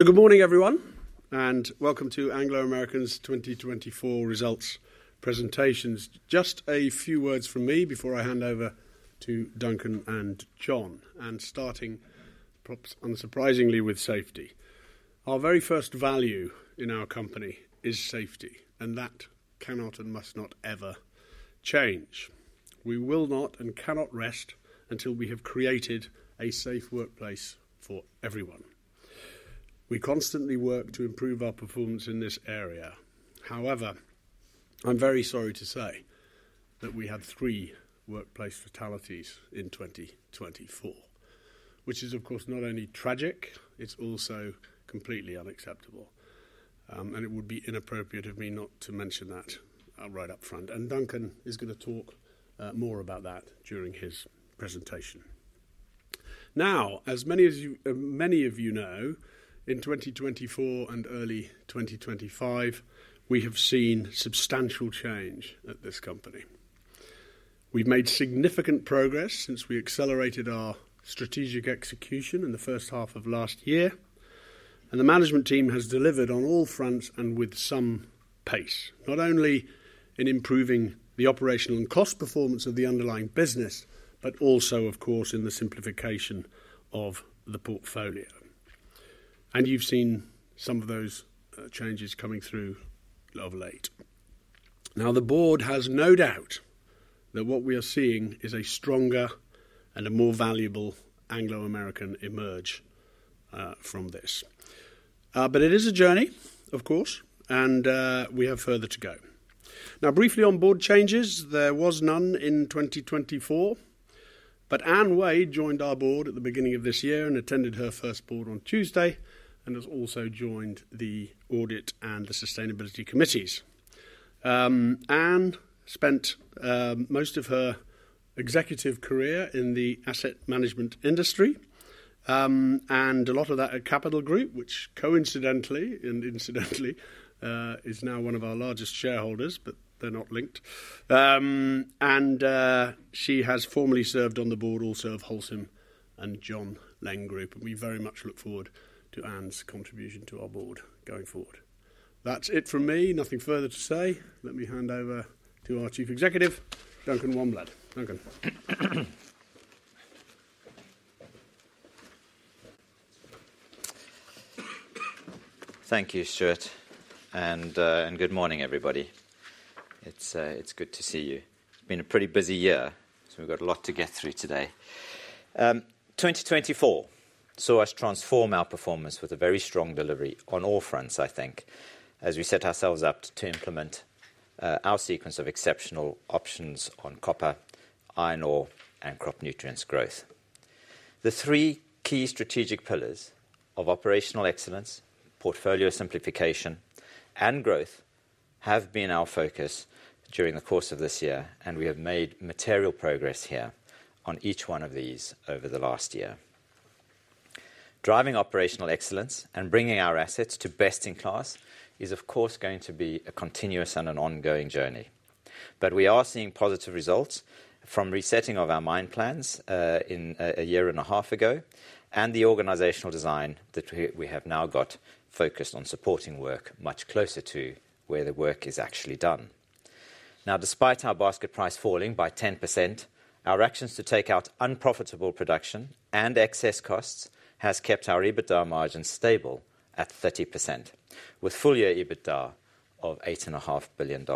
Good morning, everyone, and welcome to Anglo American's 2024 results presentations. Just a few words from me before I hand over to Duncan and John, and starting, perhaps unsurprisingly, with safety. Our very first value in our company is safety, and that cannot and must not ever change. We will not and cannot rest until we have created a safe workplace for everyone. We constantly work to improve our performance in this area. However, I'm very sorry to say that we had three workplace fatalities in 2024, which is, of course, not only tragic, it's also completely unacceptable. And it would be inappropriate of me not to mention that right up front. And Duncan is going to talk more about that during his presentation. Now, as many of you know, in 2024 and early 2025, we have seen substantial change at this company. We've made significant progress since we accelerated our strategic execution in the first half of last year, and the management team has delivered on all fronts and with some pace, not only in improving the operational and cost performance of the underlying business, but also, of course, in the simplification of the portfolio. And you've seen some of those changes coming through a little late. Now, the board has no doubt that what we are seeing is a stronger and a more valuable Anglo American emerge from this. But it is a journey, of course, and we have further to go. Now, briefly on board changes, there was none in 2024, but Anne Wade joined our board at the beginning of this year and attended her first board on Tuesday and has also joined the audit and the sustainability committees. Anne spent most of her executive career in the asset management industry and a lot of that at Capital Group, which coincidentally and incidentally is now one of our largest shareholders, but they're not linked, and she has formally served on the board also of Holcim and John Laing Group, and we very much look forward to Anne's contribution to our board going forward. That's it from me, nothing further to say. Let me hand over to our Chief Executive, Duncan Wanblad. Duncan. Thank you, Stuart, and good morning, everybody. It's good to see you. It's been a pretty busy year, so we've got a lot to get through today. 2024 saw us transform our performance with a very strong delivery on all fronts, I think, as we set ourselves up to implement our sequence of exceptional options on copper, iron ore, and crop nutrients growth. The three key strategic pillars of operational excellence, portfolio simplification, and growth have been our focus during the course of this year, and we have made material progress here on each one of these over the last year. Driving operational excellence and bringing our assets to best in class is, of course, going to be a continuous and an ongoing journey. But we are seeing positive results from resetting of our mine plans a year and a half ago and the organizational design that we have now got focused on supporting work much closer to where the work is actually done. Now, despite our basket price falling by 10%, our actions to take out unprofitable production and excess costs have kept our EBITDA margin stable at 30%, with full year EBITDA of $8.5 billion.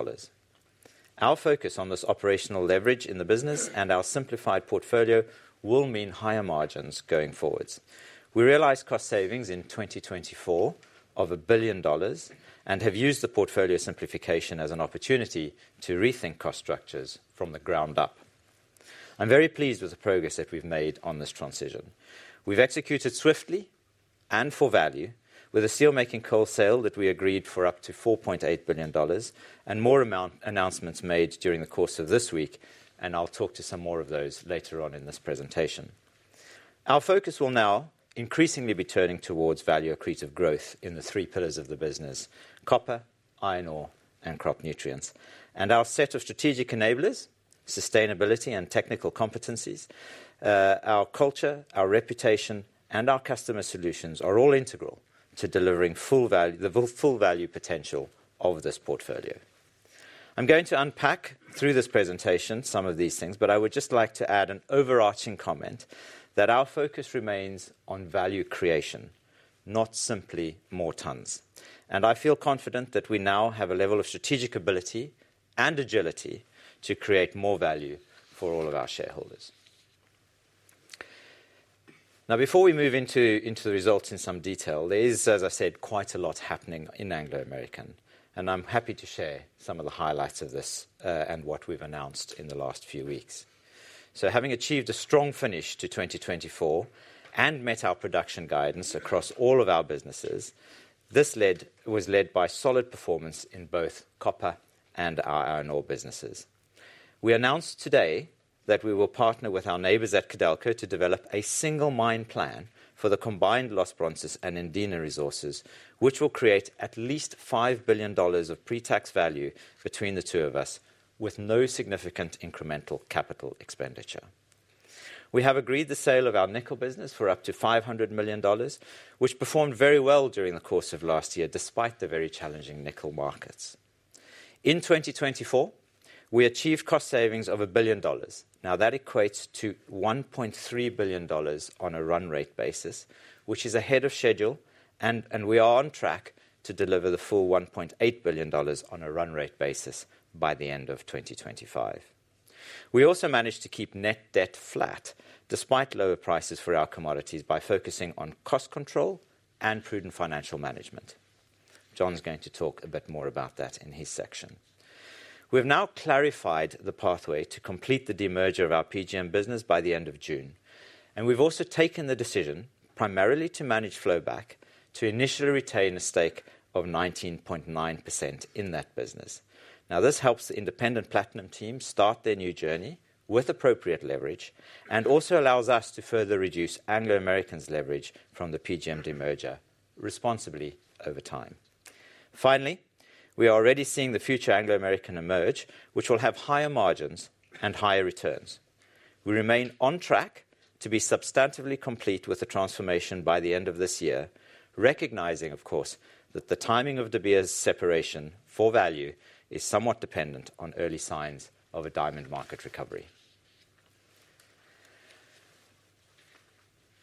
Our focus on this operational leverage in the business and our simplified portfolio will mean higher margins going forwards. We realized cost savings in 2024 of $1 billion and have used the portfolio simplification as an opportunity to rethink cost structures from the ground up. I'm very pleased with the progress that we've made on this transition. We've executed swiftly and for value, with a steelmaking coal sale that we agreed for up to $4.8 billion and more announcements made during the course of this week, and I'll talk to some more of those later on in this presentation. Our focus will now increasingly be turning towards value accretive growth in the three pillars of the business: copper, iron ore, and crop nutrients, and our set of strategic enablers, sustainability and technical competencies, our culture, our reputation, and our customer solutions are all integral to delivering the full value potential of this portfolio. I'm going to unpack through this presentation some of these things, but I would just like to add an overarching comment that our focus remains on value creation, not simply more tons. I feel confident that we now have a level of strategic ability and agility to create more value for all of our shareholders. Now, before we move into the results in some detail, there is, as I said, quite a lot happening in Anglo American, and I'm happy to share some of the highlights of this and what we've announced in the last few weeks. Having achieved a strong finish to 2024 and met our production guidance across all of our businesses, this was led by solid performance in both copper and iron ore businesses. We announced today that we will partner with our neighbors at Codelco to develop a single mine plan for the combined Los Bronces and Andina resources, which will create at least $5 billion of pre-tax value between the two of us with no significant incremental capital expenditure. We have agreed the sale of our nickel business for up to $500 million, which performed very well during the course of last year despite the very challenging nickel markets. In 2024, we achieved cost savings of $1 billion. Now, that equates to $1.3 billion on a run rate basis, which is ahead of schedule, and we are on track to deliver the full $1.8 billion on a run rate basis by the end of 2025. We also managed to keep net debt flat despite lower prices for our commodities by focusing on cost control and prudent financial management. John's going to talk a bit more about that in his section. We have now clarified the pathway to complete the de-merger of our PGM business by the end of June, and we've also taken the decision, primarily to manage flowback, to initially retain a stake of 19.9% in that business. Now, this helps the independent platinum team start their new journey with appropriate leverage and also allows us to further reduce Anglo American's leverage from the PGM de-merger responsibly over time. Finally, we are already seeing the future Anglo American emerge, which will have higher margins and higher returns. We remain on track to be substantively complete with the transformation by the end of this year, recognizing, of course, that the timing of De Beers separation for value is somewhat dependent on early signs of a diamond market recovery.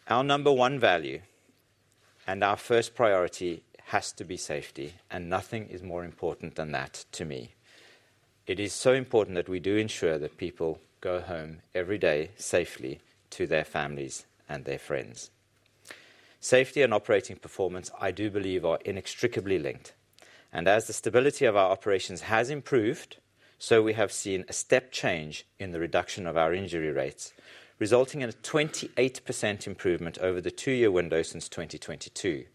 Our number one value and our first priority has to be safety, and nothing is more important than that to me. It is so important that we do ensure that people go home every day safely to their families and their friends. Safety and operating performance, I do believe, are inextricably linked. As the stability of our operations has improved, so we have seen a step change in the reduction of our injury rates, resulting in a 28% improvement over the two-year window since 2022.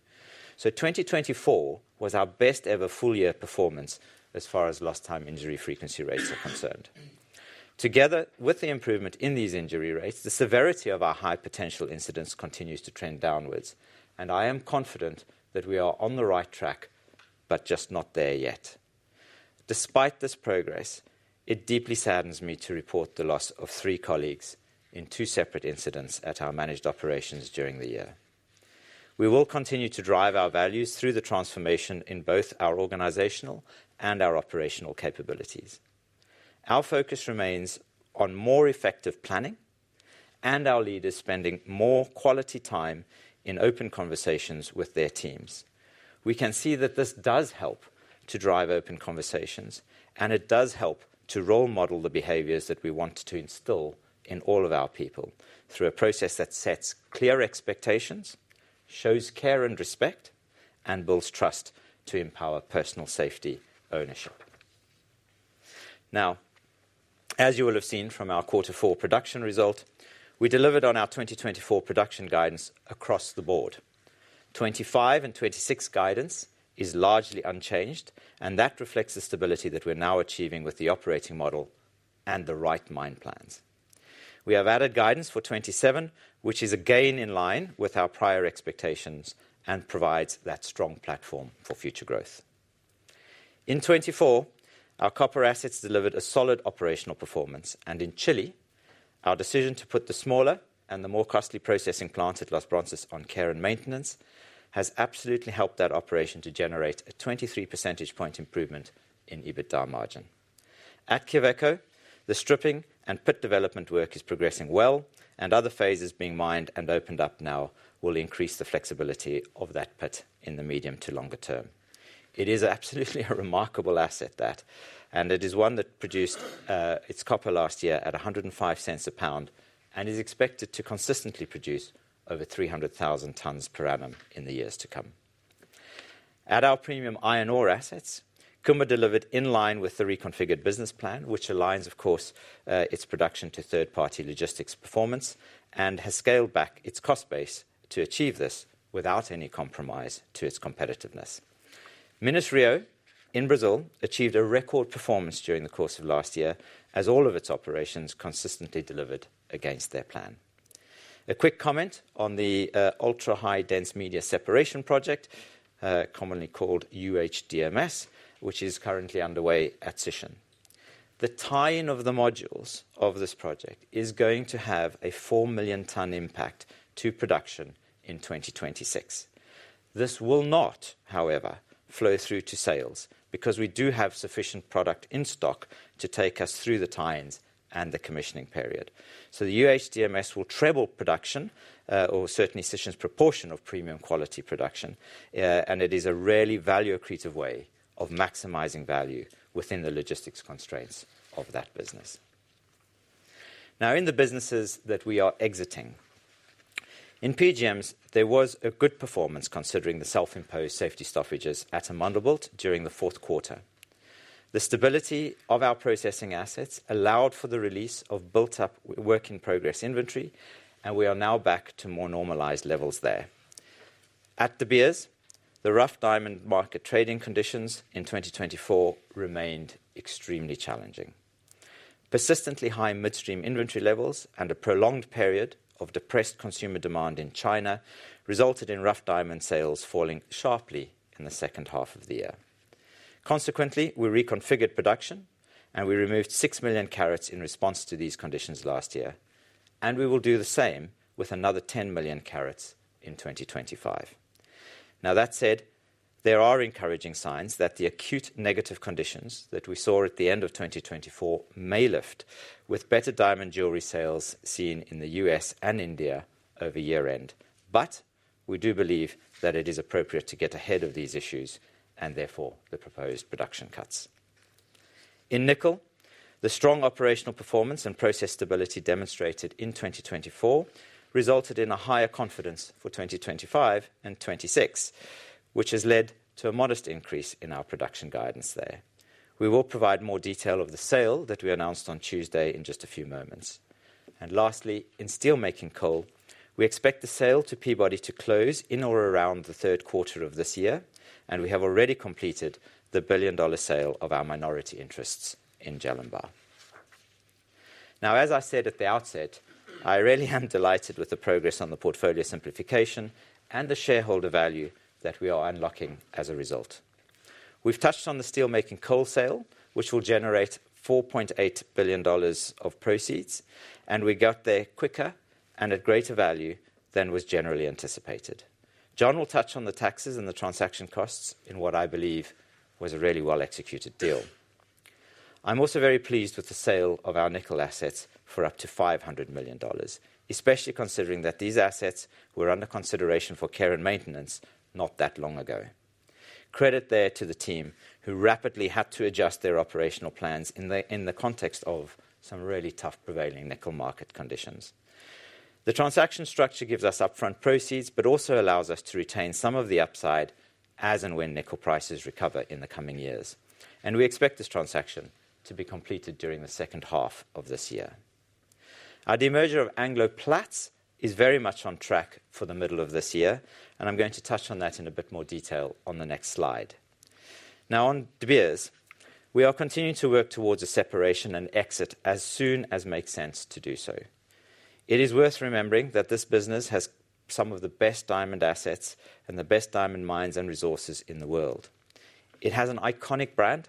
2024 was our best ever full year performance as far as Lost Time Injury Frequency Rates are concerned. Together with the improvement in these injury rates, the severity of our High Potential Incidents continues to trend downwards, and I am confident that we are on the right track, but just not there yet. Despite this progress, it deeply saddens me to report the loss of three colleagues in two separate incidents at our managed operations during the year. We will continue to drive our values through the transformation in both our organizational and our operational capabilities. Our focus remains on more effective planning and our leaders spending more quality time in open conversations with their teams. We can see that this does help to drive open conversations, and it does help to role model the behaviors that we want to instill in all of our people through a process that sets clear expectations, shows care and respect, and builds trust to empower personal safety ownership. Now, as you will have seen from our quarter four production result, we delivered on our 2024 production guidance across the board. 2025 and 2026 guidance is largely unchanged, and that reflects the stability that we're now achieving with the operating model and the right mine plans. We have added guidance for 2027, which is again in line with our prior expectations and provides that strong platform for future growth. In 2024, our copper assets delivered a solid operational performance, and in Chile, our decision to put the smaller and the more costly processing plants at Los Bronces on care and maintenance has absolutely helped that operation to generate a 23 percentage point improvement in EBITDA margin. At Quellaveco, the stripping and pit development work is progressing well, and other phases being mined and opened up now will increase the flexibility of that pit in the medium to longer term. It is absolutely a remarkable asset that, and it is one that produced its copper last year at $1.05 a pound and is expected to consistently produce over 300,000 tons per annum in the years to come. At our premium iron ore assets, Kumba delivered in line with the reconfigured business plan, which aligns, of course, its production to third-party logistics performance and has scaled back its cost base to achieve this without any compromise to its competitiveness. Minas-Rio, in Brazil, achieved a record performance during the course of last year as all of its operations consistently delivered against their plan. A quick comment on the ultra-high dense media separation project, commonly called UHDMS, which is currently underway at Sishen. The tie-in of the modules of this project is going to have a 4 million ton impact to production in 2026. This will not, however, flow through to sales because we do have sufficient product in stock to take us through the tie-ins and the commissioning period. The UHDMS will treble production or certainly Sishen's proportion of premium quality production, and it is a really value accretive way of maximizing value within the logistics constraints of that business. Now, in the businesses that we are exiting, in PGMs, there was a good performance considering the self-imposed safety stoppages at Amandelbult during the fourth quarter. The stability of our processing assets allowed for the release of built-up work in progress inventory, and we are now back to more normalized levels there. At De Beers, the rough diamond market trading conditions in 2024 remained extremely challenging. Persistently high midstream inventory levels and a prolonged period of depressed consumer demand in China resulted in rough diamond sales falling sharply in the second half of the year. Consequently, we reconfigured production, and we removed 6 million carats in response to these conditions last year, and we will do the same with another 10 million carats in 2025. Now, that said, there are encouraging signs that the acute negative conditions that we saw at the end of 2024 may lift with better diamond jewelry sales seen in the U.S. and India over year-end, but we do believe that it is appropriate to get ahead of these issues and therefore the proposed production cuts. In nickel, the strong operational performance and process stability demonstrated in 2024 resulted in a higher confidence for 2025 and 2026, which has led to a modest increase in our production guidance there. We will provide more detail of the sale that we announced on Tuesday in just a few moments. Lastly, in steelmaking coal, we expect the sale to Peabody to close in or around the third quarter of this year, and we have already completed the $1 billion sale of our minority interests in Jellinbah. Now, as I said at the outset, I really am delighted with the progress on the portfolio simplification and the shareholder value that we are unlocking as a result. We've touched on the steelmaking coal sale, which will generate $4.8 billion of proceeds, and we got there quicker and at greater value than was generally anticipated. John will touch on the taxes and the transaction costs in what I believe was a really well-executed deal. I'm also very pleased with the sale of our nickel assets for up to $500 million, especially considering that these assets were under consideration for care and maintenance not that long ago. Credit there to the team who rapidly had to adjust their operational plans in the context of some really tough prevailing nickel market conditions. The transaction structure gives us upfront proceeds, but also allows us to retain some of the upside as and when nickel prices recover in the coming years, and we expect this transaction to be completed during the second half of this year. Our de-merger of Anglo Platts is very much on track for the middle of this year, and I'm going to touch on that in a bit more detail on the next slide. Now, on De Beers, we are continuing to work towards a separation and exit as soon as makes sense to do so. It is worth remembering that this business has some of the best diamond assets and the best diamond mines and resources in the world. It has an iconic brand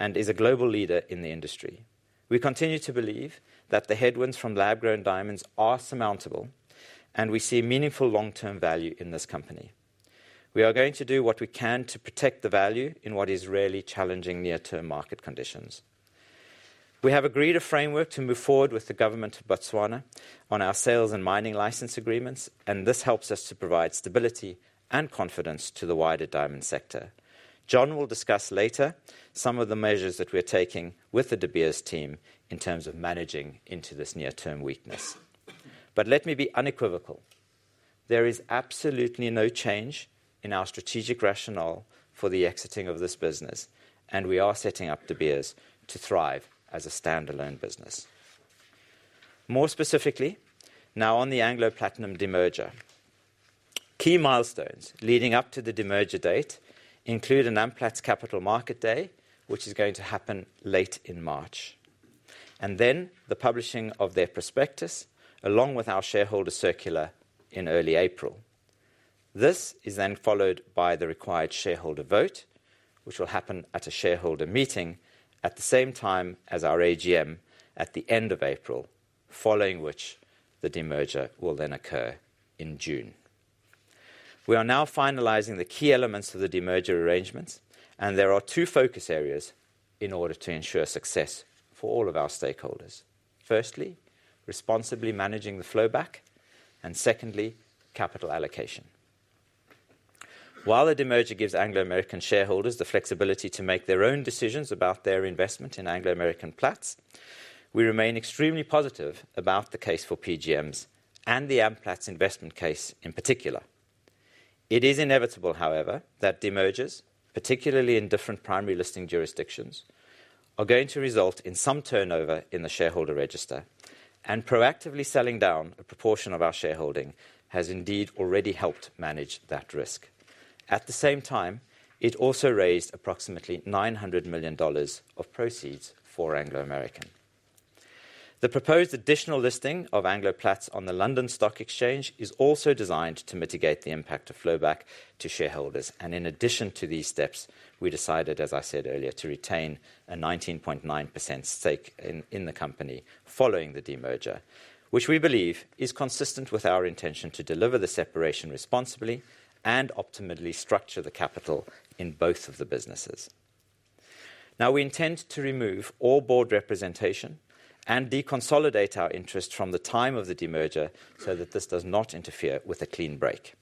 and is a global leader in the industry. We continue to believe that the headwinds from lab-grown diamonds are surmountable, and we see meaningful long-term value in this company. We are going to do what we can to protect the value in what is really challenging near-term market conditions. We have agreed a framework to move forward with the government of Botswana on our sales and mining license agreements, and this helps us to provide stability and confidence to the wider diamond sector. John will discuss later some of the measures that we are taking with the De Beers team in terms of managing into this near-term weakness. But let me be unequivocal. There is absolutely no change in our strategic rationale for the exiting of this business, and we are setting up De Beers to thrive as a standalone business. More specifically, now on the Anglo Platinum de-merger, key milestones leading up to the de-merger date include an Amplats Capital Market Day, which is going to happen late in March, and then the publishing of their prospectus along with our shareholder circular in early April. This is then followed by the required shareholder vote, which will happen at a shareholder meeting at the same time as our AGM at the end of April, following which the de-merger will then occur in June. We are now finalizing the key elements of the de-merger arrangements, and there are two focus areas in order to ensure success for all of our stakeholders. Firstly, responsibly managing the flowback, and secondly, capital allocation. While the de-merger gives Anglo American shareholders the flexibility to make their own decisions about their investment in Anglo American Platts, we remain extremely positive about the case for PGMs and the Amplats investment case in particular. It is inevitable, however, that de-mergers, particularly in different primary listing jurisdictions, are going to result in some turnover in the shareholder register, and proactively selling down a proportion of our shareholding has indeed already helped manage that risk. At the same time, it also raised approximately $900 million of proceeds for Anglo American. The proposed additional listing of Anglo Platts on the London Stock Exchange is also designed to mitigate the impact of flowback to shareholders, and in addition to these steps, we decided, as I said earlier, to retain a 19.9% stake in the company following the de-merger, which we believe is consistent with our intention to deliver the separation responsibly and optimally structure the capital in both of the businesses. Now, we intend to remove all board representation and deconsolidate our interest from the time of the de-merger so that this does not interfere with a clean break.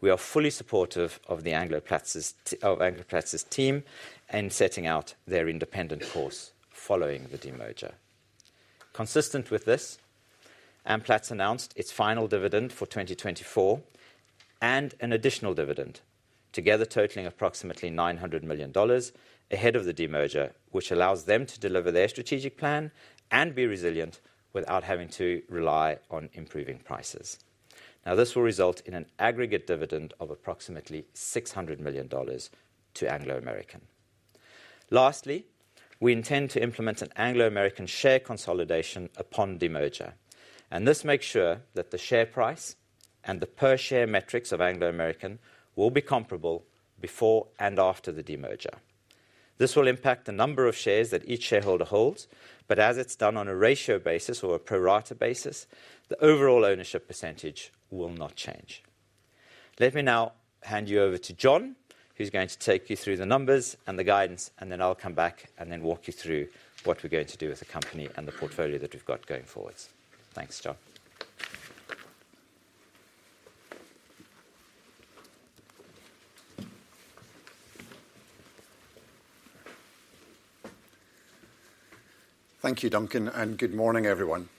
We are fully supportive of Anglo Platts' team in setting out their independent course following the de-merger. Consistent with this, Amplats announced its final dividend for 2024 and an additional dividend, together totaling approximately $900 million ahead of the de-merger, which allows them to deliver their strategic plan and be resilient without having to rely on improving prices. Now, this will result in an aggregate dividend of approximately $600 million to Anglo American. Lastly, we intend to implement an Anglo American share consolidation upon de-merger, and this makes sure that the share price and the per share metrics of Anglo American will be comparable before and after the de-merger. This will impact the number of shares that each shareholder holds, but as it's done on a ratio basis or a pro-rata basis, the overall ownership percentage will not change. Let me now hand you over to John, who's going to take you through the numbers and the guidance, and then I'll come back and then walk you through what we're going to do with the company and the portfolio that we've got going forward. Thanks, John. Thank you, Duncan, and good morning, everyone.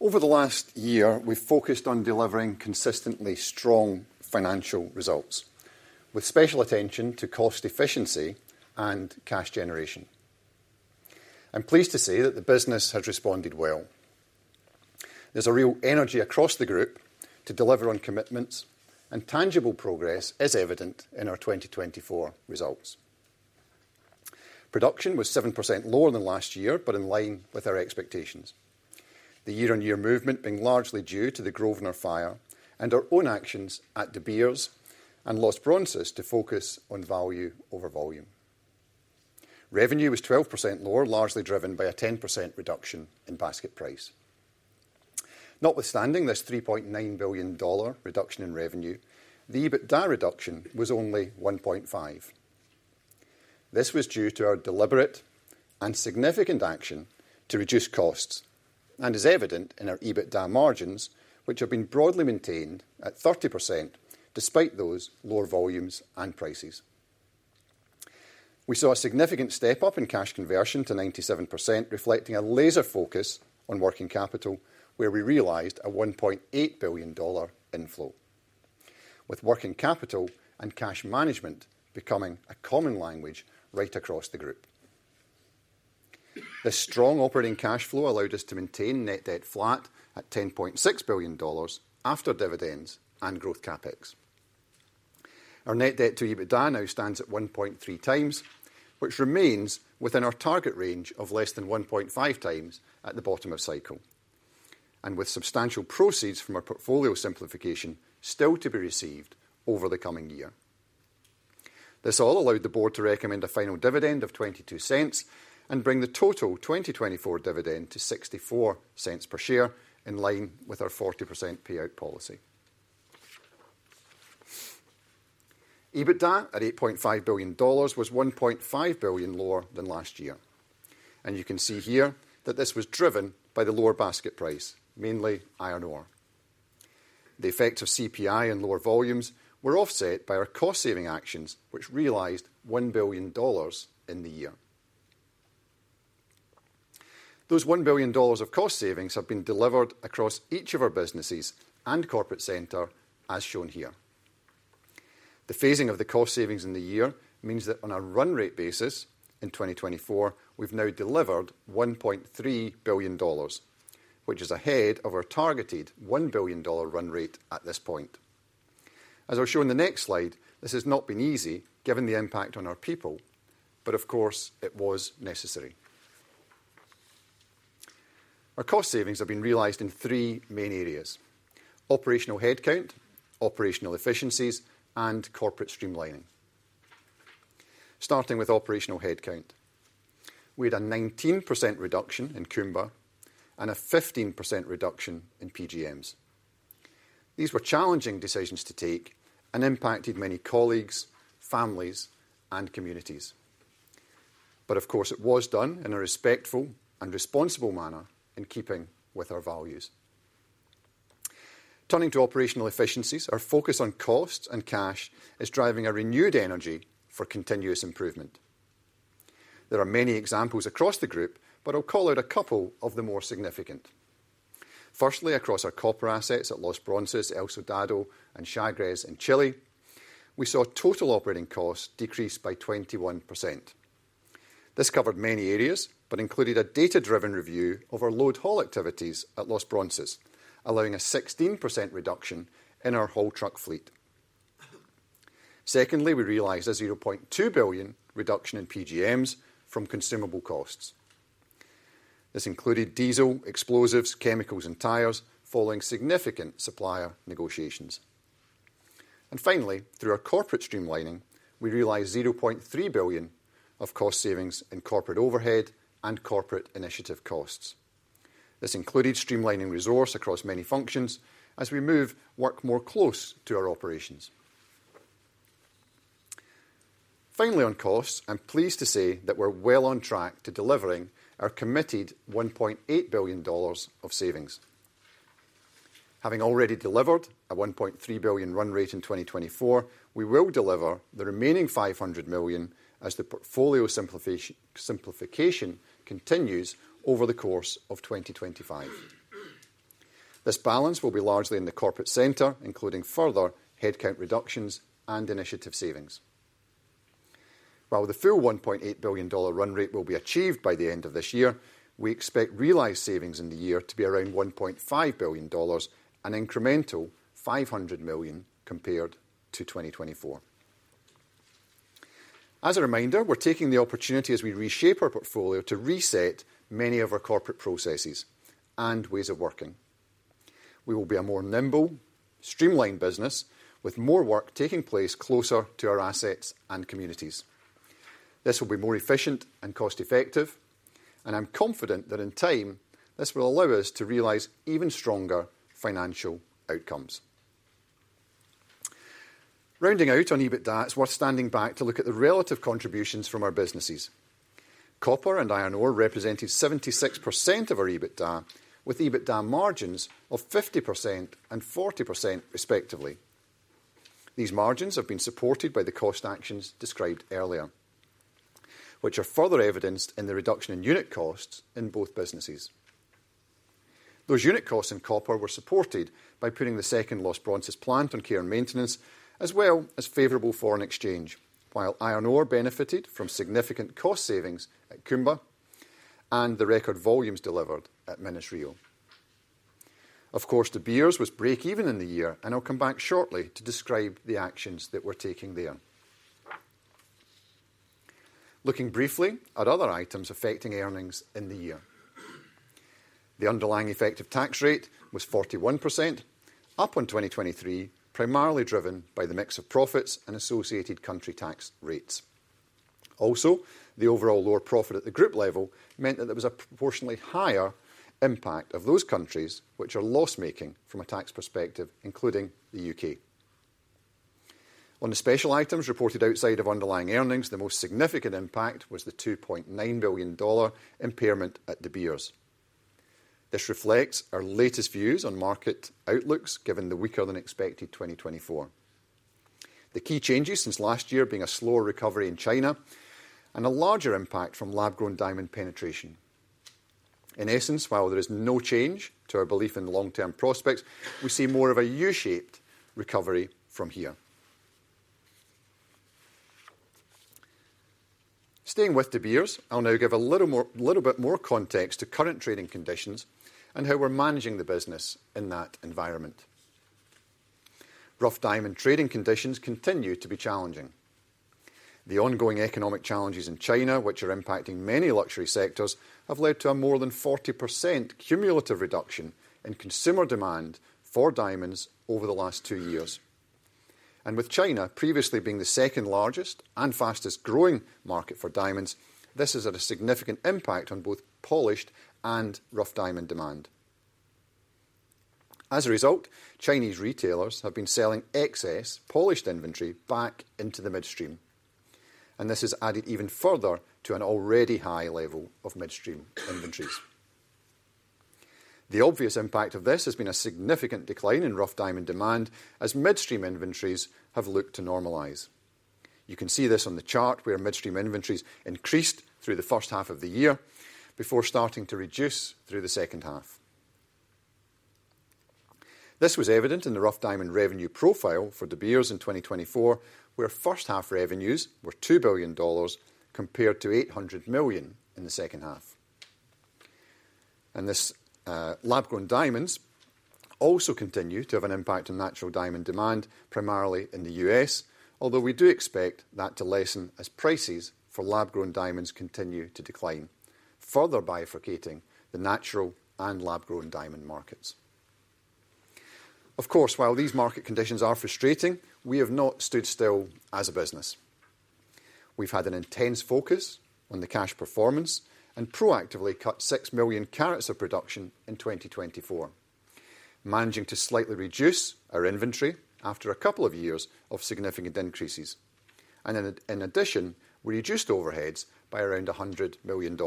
Over the last year, we've focused on delivering consistently strong financial results with special attention to cost efficiency and cash generation. I'm pleased to say that the business has responded well. There's a real energy across the group to deliver on commitments, and tangible progress is evident in our 2024 results. Production was 7% lower than last year, but in line with our expectations. The year-on-year movement being largely due to the Grosvenor fire and our own actions at De Beers and Los Bronces to focus on value over volume. Revenue was 12% lower, largely driven by a 10% reduction in basket price. Notwithstanding this $3.9 billion reduction in revenue, the EBITDA reduction was only 1.5. This was due to our deliberate and significant action to reduce costs and is evident in our EBITDA margins, which have been broadly maintained at 30% despite those lower volumes and prices. We saw a significant step up in cash conversion to 97%, reflecting a laser focus on working capital, where we realized a $1.8 billion inflow, with working capital and cash management becoming a common language right across the group. This strong operating cash flow allowed us to maintain net debt flat at $10.6 billion after dividends and growth CapEx. Our net debt to EBITDA now stands at 1.3x, which remains within our target range of less than 1.5x at the bottom of cycle, and with substantial proceeds from our portfolio simplification still to be received over the coming year. This all allowed the board to recommend a final dividend of $0.22 and bring the total 2024 dividend to $0.64 per share in line with our 40% payout policy. EBITDA at $8.5 billion was $1.5 billion lower than last year, and you can see here that this was driven by the lower basket price, mainly iron ore. The effect of CPI and lower volumes were offset by our cost-saving actions, which realized $1 billion in the year. Those $1 billion of cost savings have been delivered across each of our businesses and corporate center, as shown here. The phasing of the cost savings in the year means that on a run rate basis in 2024, we've now delivered $1.3 billion, which is ahead of our targeted $1 billion run rate at this point. As I'll show in the next slide, this has not been easy given the impact on our people, but of course, it was necessary. Our cost savings have been realized in three main areas: operational headcount, operational efficiencies, and corporate streamlining. Starting with operational headcount, we had a 19% reduction in Kumba and a 15% reduction in PGMs. These were challenging decisions to take and impacted many colleagues, families, and communities. But of course, it was done in a respectful and responsible manner in keeping with our values. Turning to operational efficiencies, our focus on cost and cash is driving a renewed energy for continuous improvement. There are many examples across the group, but I'll call out a couple of the more significant. Firstly, across our copper assets at Los Bronces, El Soldado, and Chagres in Chile, we saw total operating costs decrease by 21%. This covered many areas but included a data-driven review of our load haul activities at Los Bronces, allowing a 16% reduction in our haul truck fleet. Secondly, we realized a $0.2 billion reduction in PGMs from consumable costs. This included diesel, explosives, chemicals, and tires, following significant supplier negotiations, and finally, through our corporate streamlining, we realized $0.3 billion of cost savings in corporate overhead and corporate initiative costs. This included streamlining resources across many functions as we move work more close to our operations. Finally, on costs, I'm pleased to say that we're well on track to delivering our committed $1.8 billion of savings. Having already delivered a $1.3 billion run rate in 2024, we will deliver the remaining $500 million as the portfolio simplification continues over the course of 2025. This balance will be largely in the corporate center, including further headcount reductions and initiative savings. While the full $1.8 billion run rate will be achieved by the end of this year, we expect realized savings in the year to be around $1.5 billion, an incremental $500 million compared to 2024. As a reminder, we're taking the opportunity as we reshape our portfolio to reset many of our corporate processes and ways of working. We will be a more nimble, streamlined business with more work taking place closer to our assets and communities. This will be more efficient and cost-effective, and I'm confident that in time, this will allow us to realize even stronger financial outcomes. Rounding out on EBITDA, it's worth standing back to look at the relative contributions from our businesses. Copper and iron ore represented 76% of our EBITDA, with EBITDA margins of 50% and 40% respectively. These margins have been supported by the cost actions described earlier, which are further evidenced in the reduction in unit costs in both businesses. Those unit costs in copper were supported by putting the second Los Bronces plant on care and maintenance, as well as favorable foreign exchange, while iron ore benefited from significant cost savings at Kumba and the record volumes delivered at Minas-Rio. Of course, De Beers was break-even in the year, and I'll come back shortly to describe the actions that we're taking there. Looking briefly at other items affecting earnings in the year, the underlying effective tax rate was 41% up in 2023, primarily driven by the mix of profits and associated country tax rates. Also, the overall lower profit at the group level meant that there was a proportionally higher impact of those countries which are loss-making from a tax perspective, including the U.K. On the special items reported outside of underlying earnings, the most significant impact was the $2.9 billion impairment at De Beers. This reflects our latest views on market outlooks given the weaker-than-expected 2024. The key changes since last year being a slower recovery in China and a larger impact from lab-grown diamond penetration. In essence, while there is no change to our belief in the long-term prospects, we see more of a U-shaped recovery from here. Staying with De Beers, I'll now give a little bit more context to current trading conditions and how we're managing the business in that environment. Rough diamond trading conditions continue to be challenging. The ongoing economic challenges in China, which are impacting many luxury sectors, have led to a more than 40% cumulative reduction in consumer demand for diamonds over the last two years, and with China previously being the second largest and fastest-growing market for diamonds, this has had a significant impact on both polished and rough diamond demand. As a result, Chinese retailers have been selling excess polished inventory back into the midstream, and this has added even further to an already high level of midstream inventories. The obvious impact of this has been a significant decline in rough diamond demand as midstream inventories have looked to normalize. You can see this on the chart where midstream inventories increased through the first half of the year before starting to reduce through the second half. This was evident in the rough diamond revenue profile for De Beers in 2024, where first-half revenues were $2 billion compared to $800 million in the second half, and this lab-grown diamonds also continue to have an impact on natural diamond demand, primarily in the U.S., although we do expect that to lessen as prices for lab-grown diamonds continue to decline, further bifurcating the natural and lab-grown diamond markets. Of course, while these market conditions are frustrating, we have not stood still as a business. We've had an intense focus on the cash performance and proactively cut 6 million carats of production in 2024, managing to slightly reduce our inventory after a couple of years of significant increases. In addition, we reduced overheads by around $100 million.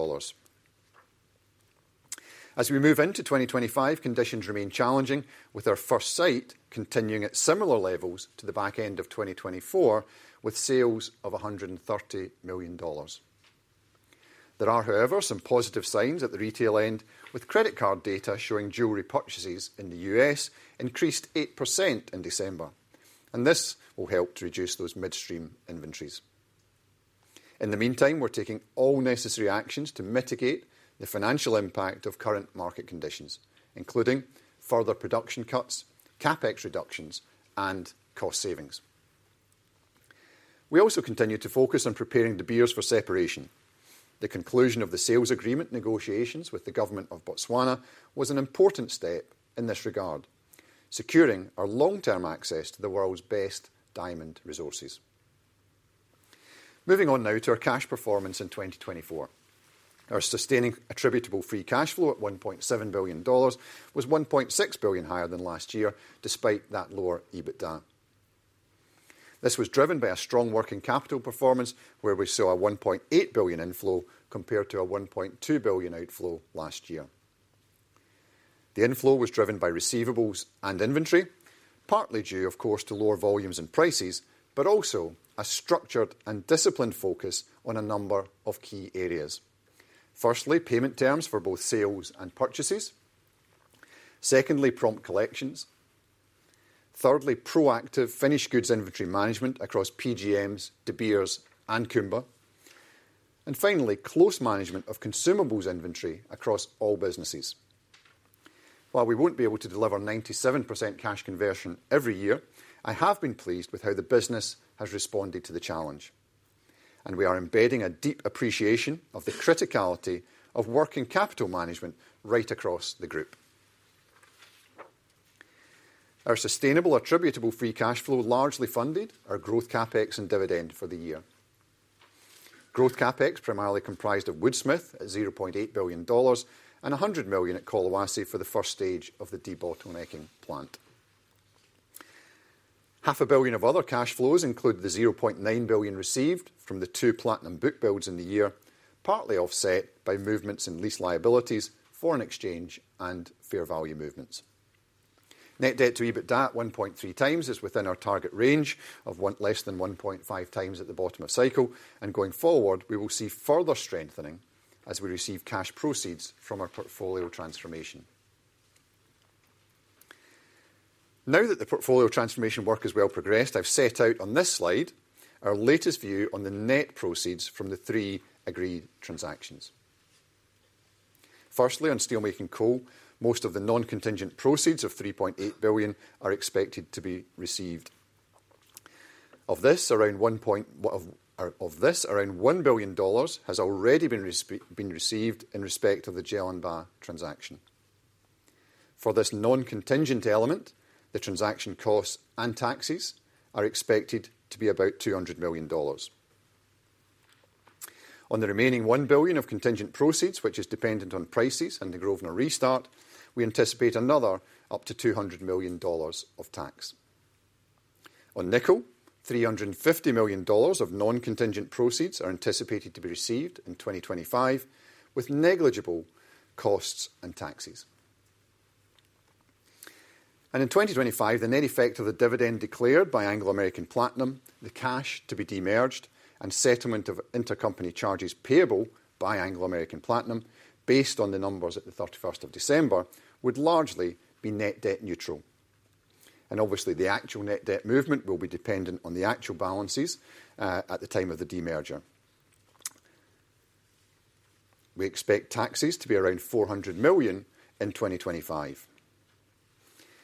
As we move into 2025, conditions remain challenging, with our first sight continuing at similar levels to the back end of 2024, with sales of $130 million. There are, however, some positive signs at the retail end, with credit card data showing jewelry purchases in the U.S. increased 8% in December, and this will help to reduce those midstream inventories. In the meantime, we're taking all necessary actions to mitigate the financial impact of current market conditions, including further production cuts, CapEx reductions, and cost savings. We also continue to focus on preparing De Beers for separation. The conclusion of the sales agreement negotiations with the government of Botswana was an important step in this regard, securing our long-term access to the world's best diamond resources. Moving on now to our cash performance in 2024, our sustaining attributable free cash flow at $1.7 billion was $1.6 billion higher than last year, despite that lower EBITDA. This was driven by a strong working capital performance, where we saw a $1.8 billion inflow compared to a $1.2 billion outflow last year. The inflow was driven by receivables and inventory, partly due, of course, to lower volumes and prices, but also a structured and disciplined focus on a number of key areas. Firstly, payment terms for both sales and purchases. Secondly, prompt collections. Thirdly, proactive finished goods inventory management across PGMs, De Beers, and Kumba, and finally, close management of consumables inventory across all businesses. While we won't be able to deliver 97% cash conversion every year, I have been pleased with how the business has responded to the challenge, and we are embedding a deep appreciation of the criticality of working capital management right across the group. Our sustainable attributable free cash flow largely funded our growth CapEx and dividend for the year. Growth CapEx primarily comprised of Woodsmith at $0.8 billion and $100 million at Collahuasi for the first stage of the debottlenecking plant. $500 million of other cash flows include the $0.9 billion received from the two platinum book builds in the year, partly offset by movements in lease liabilities, foreign exchange, and fair value movements. Net debt to EBITDA at 1.3x is within our target range of less than 1.5x at the bottom of cycle, and going forward, we will see further strengthening as we receive cash proceeds from our portfolio transformation. Now that the portfolio transformation work has well progressed, I've set out on this slide our latest view on the net proceeds from the three agreed transactions. Firstly, on steelmaking coal, most of the non-contingent proceeds of $3.8 billion are expected to be received. Of this, around $1 billion has already been received in respect of the Jellinbah transaction. For this non-contingent element, the transaction costs and taxes are expected to be about $200 million. On the remaining $1 billion of contingent proceeds, which is dependent on prices and the Grosvenor restart, we anticipate another up to $200 million of tax. On nickel, $350 million of non-contingent proceeds are anticipated to be received in 2025, with negligible costs and taxes. And in 2025, the net effect of the dividend declared by Anglo American Platinum, the cash to be demerged, and settlement of intercompany charges payable by Anglo American Platinum based on the numbers at the 31st of December would largely be net debt neutral. And obviously, the actual net debt movement will be dependent on the actual balances at the time of the demerger. We expect taxes to be around $400 million in 2025.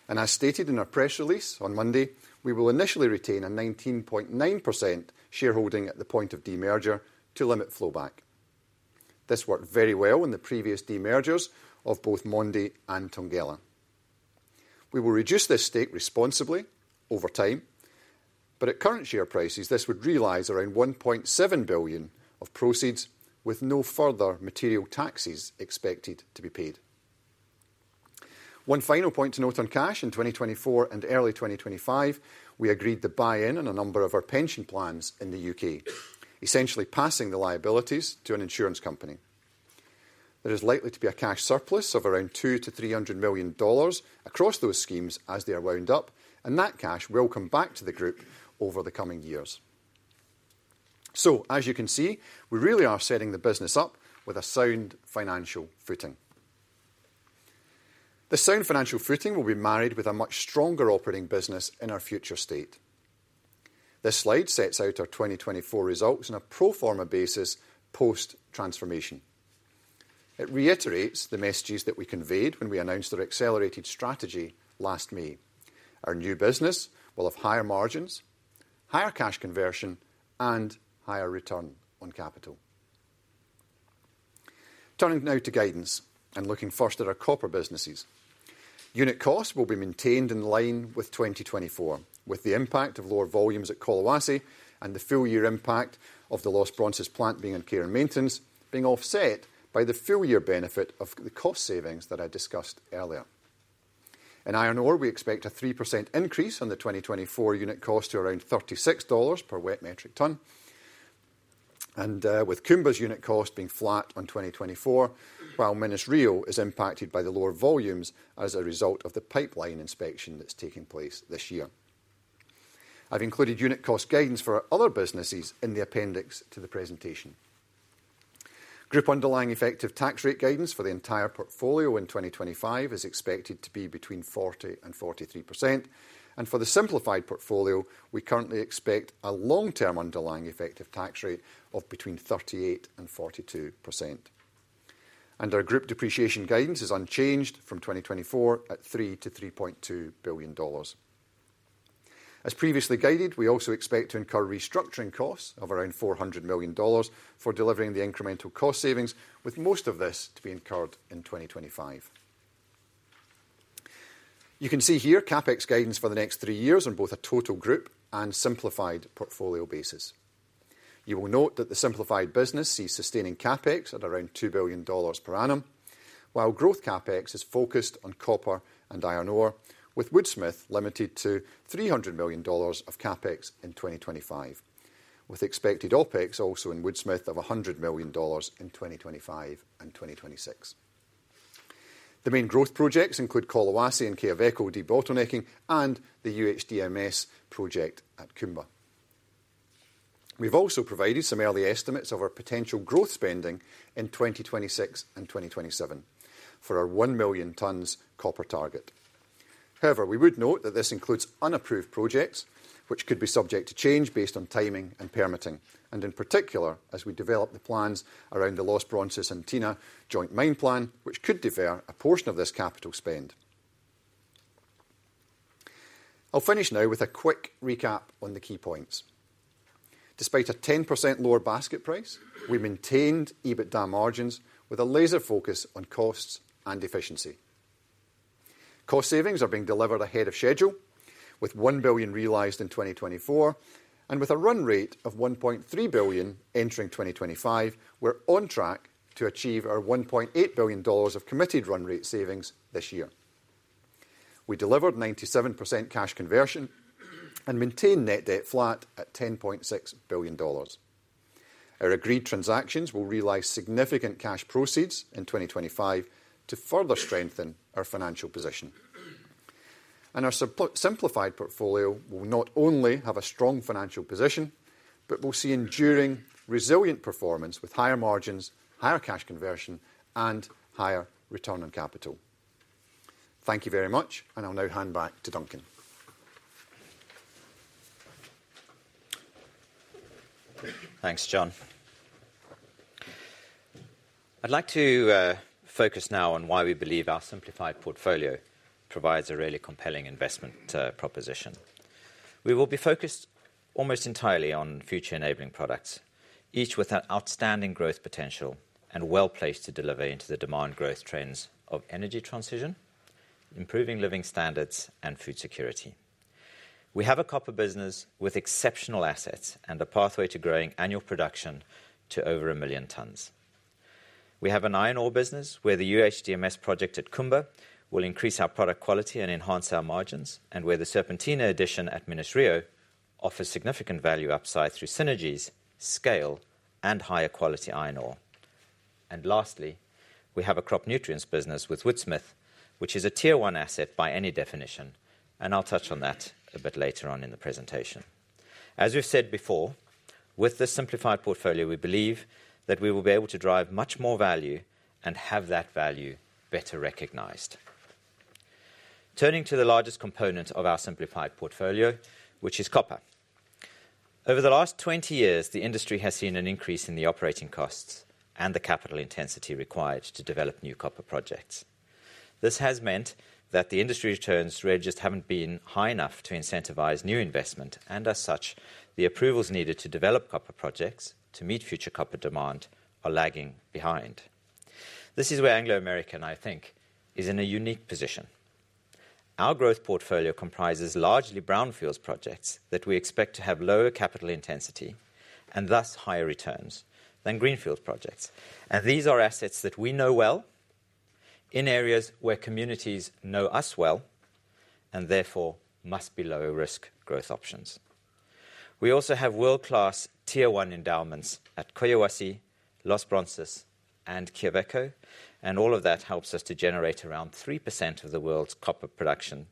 And as stated in our press release on Monday, we will initially retain a 19.9% shareholding at the point of demerger to limit flowback. This worked very well in the previous demergers of both Mondi and Thungela. We will reduce this stake responsibly over time, but at current share prices, this would realize around $1.7 billion of proceeds with no further material taxes expected to be paid. One final point to note on cash in 2024 and early 2025, we agreed to buy in on a number of our pension plans in the U.K., essentially passing the liabilities to an insurance company. There is likely to be a cash surplus of around $200-300 million across those schemes as they are wound up, and that cash will come back to the group over the coming years. So, as you can see, we really are setting the business up with a sound financial footing. The sound financial footing will be married with a much stronger operating business in our future state. This slide sets out our 2024 results on a pro forma basis post transformation. It reiterates the messages that we conveyed when we announced our accelerated strategy last May. Our new business will have higher margins, higher cash conversion, and higher return on capital. Turning now to guidance and looking first at our copper businesses. Unit costs will be maintained in line with 2024, with the impact of lower volumes at Collahuasi and the full year impact of the Los Bronces plant being in care and maintenance being offset by the full year benefit of the cost savings that I discussed earlier. In iron ore, we expect a 3% increase on the 2024 unit cost to around $36 per wet metric ton, and with Kumba's unit cost being flat on 2024, while Minas-Rio is impacted by the lower volumes as a result of the pipeline inspection that's taking place this year. I've included unit cost guidance for other businesses in the appendix to the presentation. Group underlying effective tax rate guidance for the entire portfolio in 2025 is expected to be between 40% and 43%, and for the simplified portfolio, we currently expect a long-term underlying effective tax rate of between 38% and 42%. Our group depreciation guidance is unchanged from 2024 at $3-3.2 billion. As previously guided, we also expect to incur restructuring costs of around $400 million for delivering the incremental cost savings, with most of this to be incurred in 2025. You can see here CapEx guidance for the next three years on both a total group and simplified portfolio basis. You will note that the simplified business sees sustaining CapEx at around $2 billion per annum, while growth CapEx is focused on copper and iron ore, with Woodsmith limited to $300 million of CapEx in 2025, with expected OpEx also in Woodsmith of $100 million in 2025 and 2026. The main growth projects include Collahuasi and Quellaveco debottlenecking and the UHDMS project at Kumba. We've also provided some early estimates of our potential growth spending in 2026 and 2027 for our 1 million tons copper target. However, we would note that this includes unapproved projects, which could be subject to change based on timing and permitting, and in particular as we develop the plans around the Los Bronces and Andina joint mine plan, which could defer a portion of this capital spend. I'll finish now with a quick recap on the key points. Despite a 10% lower basket price, we maintained EBITDA margins with a laser focus on costs and efficiency. Cost savings are being delivered ahead of schedule, with $1 billion realized in 2024, and with a run rate of $1.3 billion entering 2025, we're on track to achieve our $1.8 billion of committed run rate savings this year. We delivered 97% cash conversion and maintained net debt flat at $10.6 billion. Our agreed transactions will realize significant cash proceeds in 2025 to further strengthen our financial position, and our simplified portfolio will not only have a strong financial position, but we'll see enduring, resilient performance with higher margins, higher cash conversion, and higher return on capital. Thank you very much, and I'll now hand back to Duncan. Thanks, John. I'd like to focus now on why we believe our simplified portfolio provides a really compelling investment proposition. We will be focused almost entirely on future enabling products, each with an outstanding growth potential and well placed to deliver into the demand growth trends of energy transition, improving living standards, and food security. We have a copper business with exceptional assets and a pathway to growing annual production to over a million tons. We have an iron ore business where the UHDMS project at Kumba will increase our product quality and enhance our margins, and where the Serpentina addition at Minas-Rio offers significant value upside through synergies, scale, and higher quality iron ore. Lastly, we have a crop nutrients business with Woodsmith, which is a tier one asset by any definition, and I'll touch on that a bit later on in the presentation. As we've said before, with this simplified portfolio, we believe that we will be able to drive much more value and have that value better recognized. Turning to the largest component of our simplified portfolio, which is copper. Over the last 20 years, the industry has seen an increase in the operating costs and the capital intensity required to develop new copper projects. This has meant that the industry returns really just haven't been high enough to incentivize new investment, and as such, the approvals needed to develop copper projects to meet future copper demand are lagging behind. This is where Anglo American, I think, is in a unique position. Our growth portfolio comprises largely brownfields projects that we expect to have lower capital intensity and thus higher returns than greenfield projects, and these are assets that we know well in areas where communities know us well and therefore must be lower risk growth options. We also have world-class tier one endowments at Collahuasi, Los Bronces, and Quellaveco, and all of that helps us to generate around 3% of the world's copper production,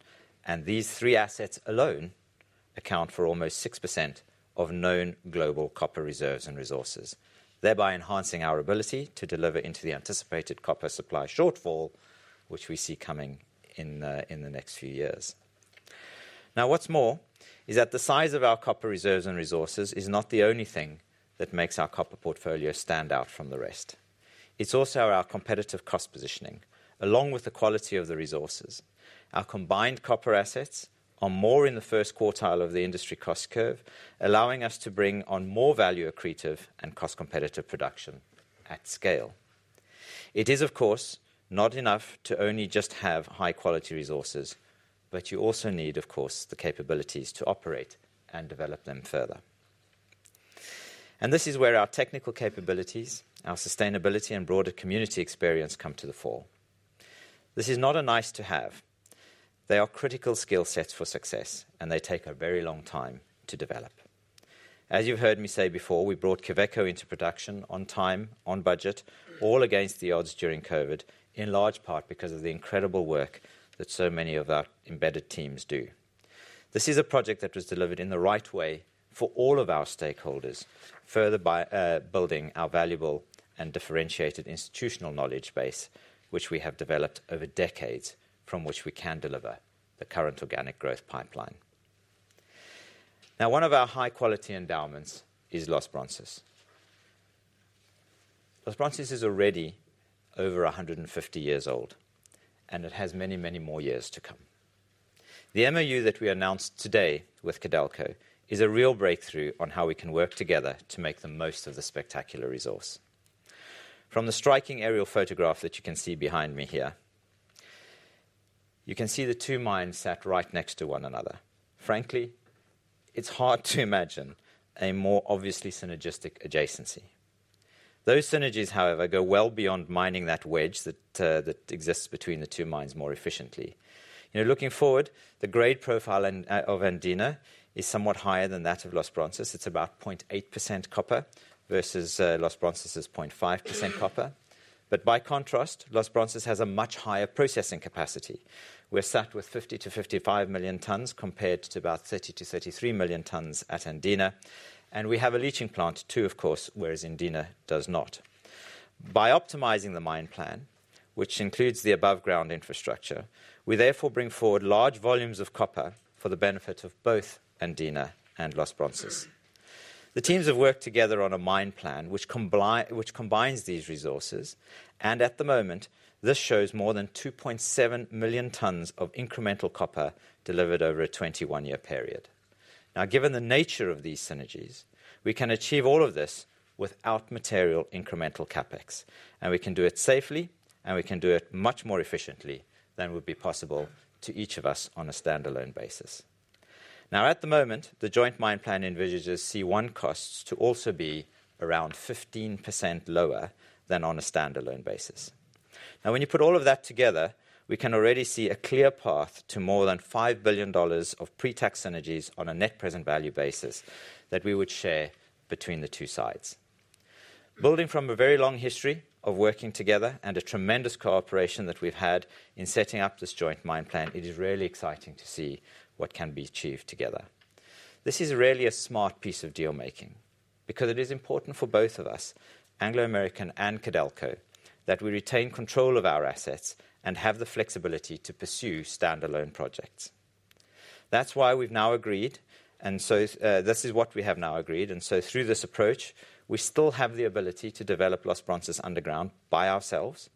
and these three assets alone account for almost 6% of known global copper reserves and resources, thereby enhancing our ability to deliver into the anticipated copper supply shortfall, which we see coming in the next few years. Now, what's more is that the size of our copper reserves and resources is not the only thing that makes our copper portfolio stand out from the rest. It's also our competitive cost positioning, along with the quality of the resources. Our combined copper assets are more in the first quartile of the industry cost curve, allowing us to bring on more value accretive and cost competitive production at scale. It is, of course, not enough to only just have high-quality resources, but you also need, of course, the capabilities to operate and develop them further, and this is where our technical capabilities, our sustainability, and broader community experience come to the fore. This is not a nice to have. They are critical skill sets for success, and they take a very long time to develop. As you've heard me say before, we brought Quellaveco into production on time, on budget, all against the odds during COVID, in large part because of the incredible work that so many of our embedded teams do. This is a project that was delivered in the right way for all of our stakeholders, further by building our valuable and differentiated institutional knowledge base, which we have developed over decades, from which we can deliver the current organic growth pipeline. Now, one of our high-quality endowments is Los Bronces. Los Bronces is already over 150 years old, and it has many, many more years to come. The MOU that we announced today with Codelco is a real breakthrough on how we can work together to make the most of the spectacular resource. From the striking aerial photograph that you can see behind me here, you can see the two mines sat right next to one another. Frankly, it's hard to imagine a more obviously synergistic adjacency. Those synergies, however, go well beyond mining that wedge that exists between the two mines more efficiently. Looking forward, the grade profile of Andina is somewhat higher than that of Los Bronces. It's about 0.8% copper versus Los Bronces' 0.5% copper. But by contrast, Los Bronces has a much higher processing capacity. We're sat with 50-55 million tons compared to about 30-33 million tons at Andina, and we have a leaching plant too, of course, whereas Andina does not. By optimizing the mine plan, which includes the above-ground infrastructure, we therefore bring forward large volumes of copper for the benefit of both Andina and Los Bronces. The teams have worked together on a mine plan which combines these resources, and at the moment, this shows more than 2.7 million tons of incremental copper delivered over a 21-year period. Now, given the nature of these synergies, we can achieve all of this without material incremental CapEx, and we can do it safely, and we can do it much more efficiently than would be possible to each of us on a standalone basis. Now, at the moment, the joint mine plan envisages C1 costs to also be around 15% lower than on a standalone basis. Now, when you put all of that together, we can already see a clear path to more than $5 billion of pre-tax synergies on a net present value basis that we would share between the two sides. Building from a very long history of working together and a tremendous cooperation that we've had in setting up this joint mine plan, it is really exciting to see what can be achieved together. This is really a smart piece of deal-making because it is important for both of us, Anglo American and Codelco, that we retain control of our assets and have the flexibility to pursue standalone projects. That's why we've now agreed, and so this is what we have now agreed, and so through this approach, we still have the ability to develop Los Bronces underground by ourselves,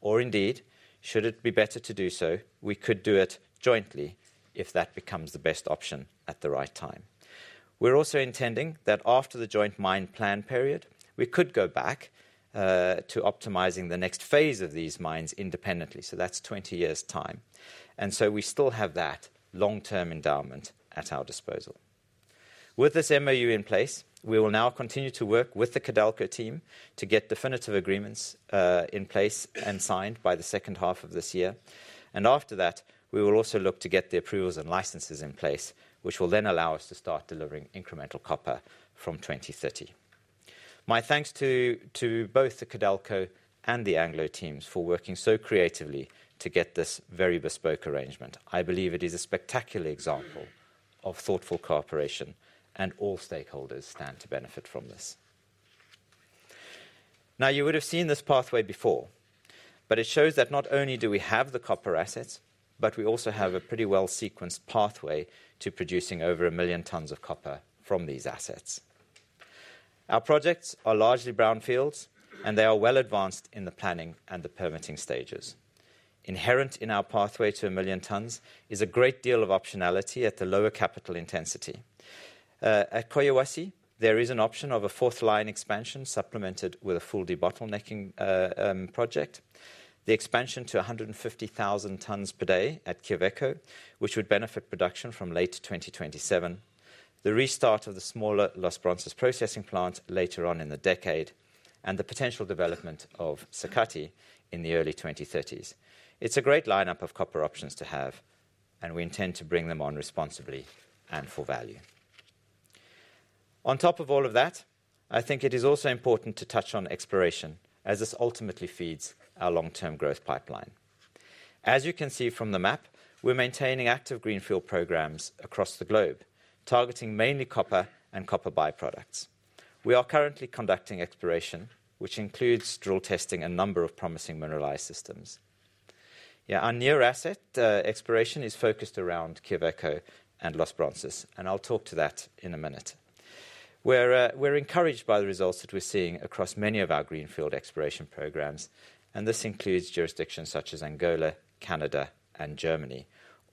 or indeed, should it be better to do so, we could do it jointly if that becomes the best option at the right time. We're also intending that after the joint mine plan period, we could go back to optimizing the next phase of these mines independently, so that's 20 years' time, and so we still have that long-term endowment at our disposal. With this MOU in place, we will now continue to work with the Codelco team to get definitive agreements in place and signed by the second half of this year, and after that, we will also look to get the approvals and licenses in place, which will then allow us to start delivering incremental copper from 2030. My thanks to both the Codelco and the Anglo teams for working so creatively to get this very bespoke arrangement. I believe it is a spectacular example of thoughtful cooperation, and all stakeholders stand to benefit from this. Now, you would have seen this pathway before, but it shows that not only do we have the copper assets, but we also have a pretty well-sequenced pathway to producing over a million tons of copper from these assets. Our projects are largely brownfields, and they are well advanced in the planning and the permitting stages. Inherent in our pathway to a million tons is a great deal of optionality at the lower capital intensity. At Collahuasi, there is an option of a fourth line expansion supplemented with a full debottlenecking project, the expansion to 150,000 tons per day at Quellaveco, which would benefit production from late 2027, the restart of the smaller Los Bronces processing plant later on in the decade, and the potential development of Sakatti in the early 2030s. It's a great lineup of copper options to have, and we intend to bring them on responsibly and for value. On top of all of that, I think it is also important to touch on exploration, as this ultimately feeds our long-term growth pipeline. As you can see from the map, we're maintaining active greenfield programs across the globe, targeting mainly copper and copper byproducts. We are currently conducting exploration, which includes drill testing a number of promising mineralized systems. Yeah, our near asset exploration is focused around Quellaveco and Los Bronces, and I'll talk to that in a minute. We're encouraged by the results that we're seeing across many of our greenfield exploration programs, and this includes jurisdictions such as Angola, Canada, and Germany,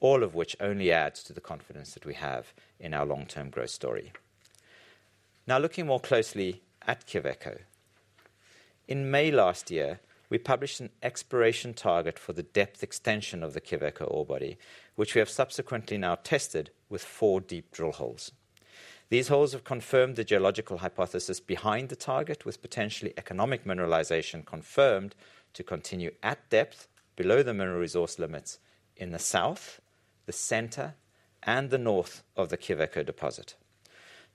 all of which only adds to the confidence that we have in our long-term growth story. Now, looking more closely at Quellaveco, in May last year, we published an exploration target for the depth extension of the Quellaveco ore body, which we have subsequently now tested with four deep drill holes. These holes have confirmed the geological hypothesis behind the target, with potentially economic mineralization confirmed to continue at depth below the mineral resource limits in the south, the center, and the north of the Quellaveco deposit.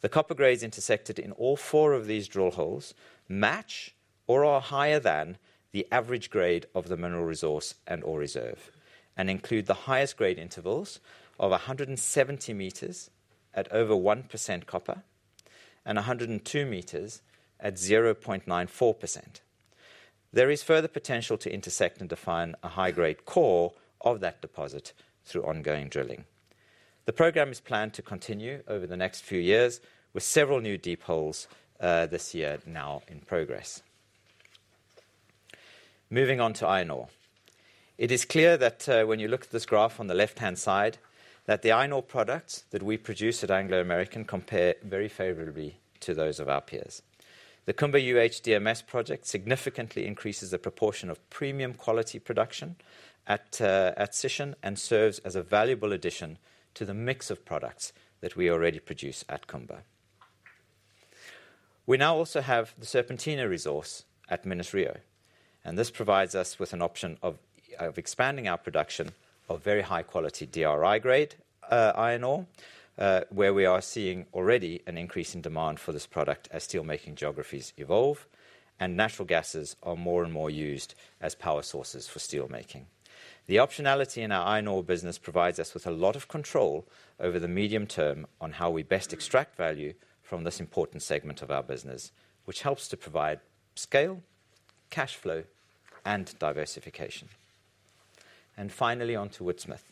The copper grades intersected in all four of these drill holes match or are higher than the average grade of the mineral resource and ore reserve, and include the highest grade intervals of 170 meters at over 1% copper and 102 meters at 0.94%. There is further potential to intersect and define a high-grade core of that deposit through ongoing drilling. The program is planned to continue over the next few years with several new deep holes this year now in progress. Moving on to iron ore, it is clear that when you look at this graph on the left-hand side, that the iron ore products that we produce at Anglo American compare very favorably to those of our peers. The Kumba UHDMS project significantly increases the proportion of premium quality production at Sishen and serves as a valuable addition to the mix of products that we already produce at Kumba. We now also have the Serpentina resource at Minas-Rio, and this provides us with an option of expanding our production of very high-quality DRI grade iron ore, where we are seeing already an increase in demand for this product as steelmaking geographies evolve and natural gases are more and more used as power sources for steelmaking. The optionality in our iron ore business provides us with a lot of control over the medium term on how we best extract value from this important segment of our business, which helps to provide scale, cash flow, and diversification. Finally, onto Woodsmith.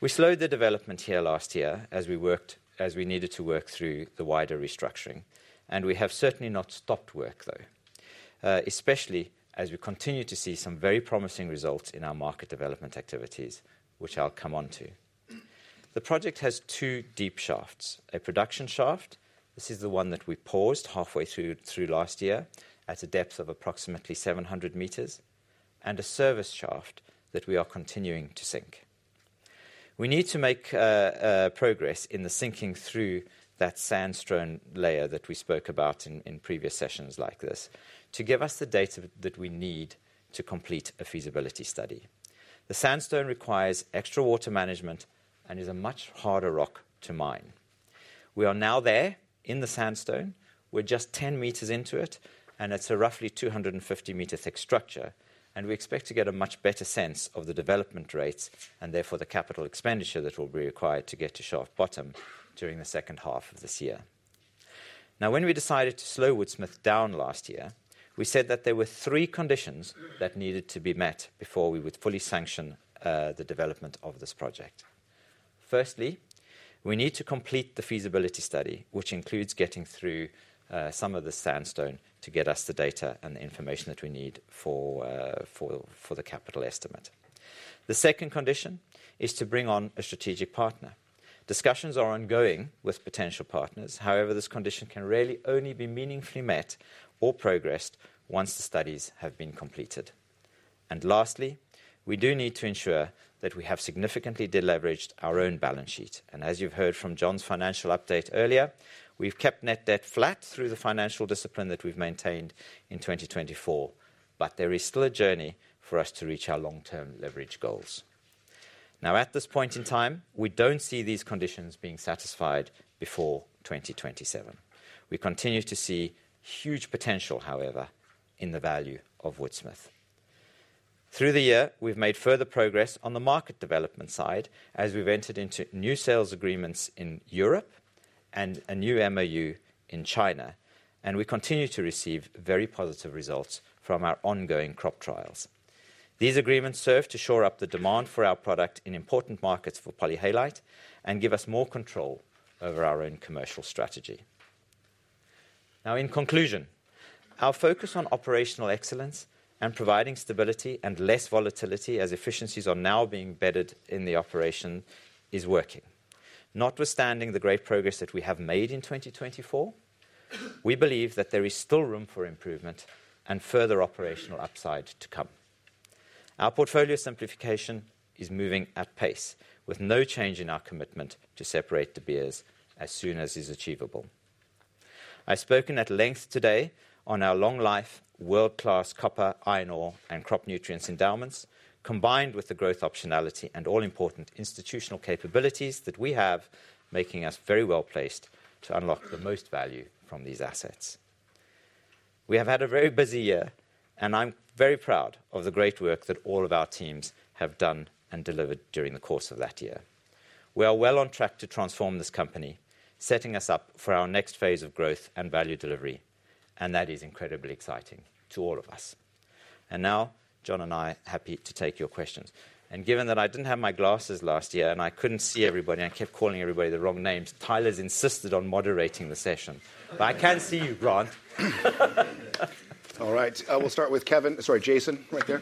We slowed the development here last year as we needed to work through the wider restructuring, and we have certainly not stopped work, though, especially as we continue to see some very promising results in our market development activities, which I'll come on to. The project has two deep shafts: a production shaft, this is the one that we paused halfway through last year at a depth of approximately 700 meters, and a service shaft that we are continuing to sink. We need to make progress in the sinking through that sandstone layer that we spoke about in previous sessions like this to give us the data that we need to complete a feasibility study. The sandstone requires extra water management and is a much harder rock to mine. We are now there in the sandstone. We're just 10 meters into it, and it's a roughly 250-meter thick structure, and we expect to get a much better sense of the development rates and therefore the capital expenditure that will be required to get to shelf bottom during the second half of this year. Now, when we decided to slow Woodsmith down last year, we said that there were three conditions that needed to be met before we would fully sanction the development of this project. Firstly, we need to complete the feasibility study, which includes getting through some of the sandstone to get us the data and the information that we need for the capital estimate. The second condition is to bring on a strategic partner. Discussions are ongoing with potential partners. However, this condition can really only be meaningfully met or progressed once the studies have been completed, and lastly, we do need to ensure that we have significantly deleveraged our own balance sheet, and as you've heard from John's financial update earlier, we've kept net debt flat through the financial discipline that we've maintained in 2024, but there is still a journey for us to reach our long-term leverage goals. Now, at this point in time, we don't see these conditions being satisfied before 2027. We continue to see huge potential, however, in the value of Woodsmith. Through the year, we've made further progress on the market development side as we've entered into new sales agreements in Europe and a new MOU in China, and we continue to receive very positive results from our ongoing crop trials. These agreements serve to shore up the demand for our product in important markets for Polyhalite and give us more control over our own commercial strategy. Now, in conclusion, our focus on operational excellence and providing stability and less volatility as efficiencies are now being embedded in the operation is working. Notwithstanding the great progress that we have made in 2024, we believe that there is still room for improvement and further operational upside to come. Our portfolio simplification is moving at pace with no change in our commitment to separate De Beers as soon as is achievable. I've spoken at length today on our long-life, world-class copper, iron ore, and crop nutrients endowments, combined with the growth optionality and all-important institutional capabilities that we have, making us very well placed to unlock the most value from these assets. We have had a very busy year, and I'm very proud of the great work that all of our teams have done and delivered during the course of that year. We are well on track to transform this company, setting us up for our next phase of growth and value delivery, and that is incredibly exciting to all of us, and now John and I are happy to take your questions, and given that I didn't have my glasses last year and I couldn't see everybody and kept calling everybody the wrong names, Tyler's insisted on moderating the session, but I can see you, Grant. All right. We'll start with Kevin. Sorry, Jason right there.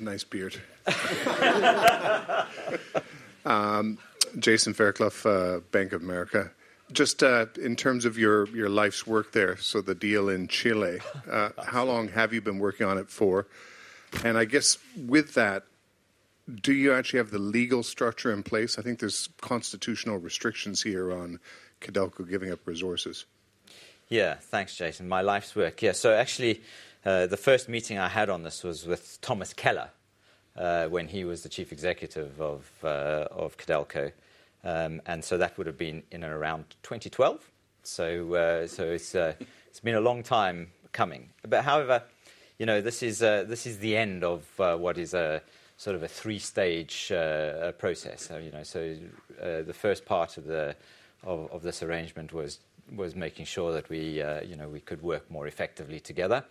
Nice beard. Jason Fairclough, Bank of America. Just in terms of your life's work there, so the deal in Chile, how long have you been working on it for? And I guess with that, do you actually have the legal structure in place? I think there's constitutional restrictions here on Codelco giving up resources. Yeah, thanks, Jason. My life's work. Yeah, so actually, the first meeting I had on this was with Thomas Keller when he was the Chief Executive of Codelco, and so that would have been in and around 2012. So it's been a long time coming. But however, this is the end of what is sort of a three-stage process. So the first part of this arrangement was making sure that we could work more effectively together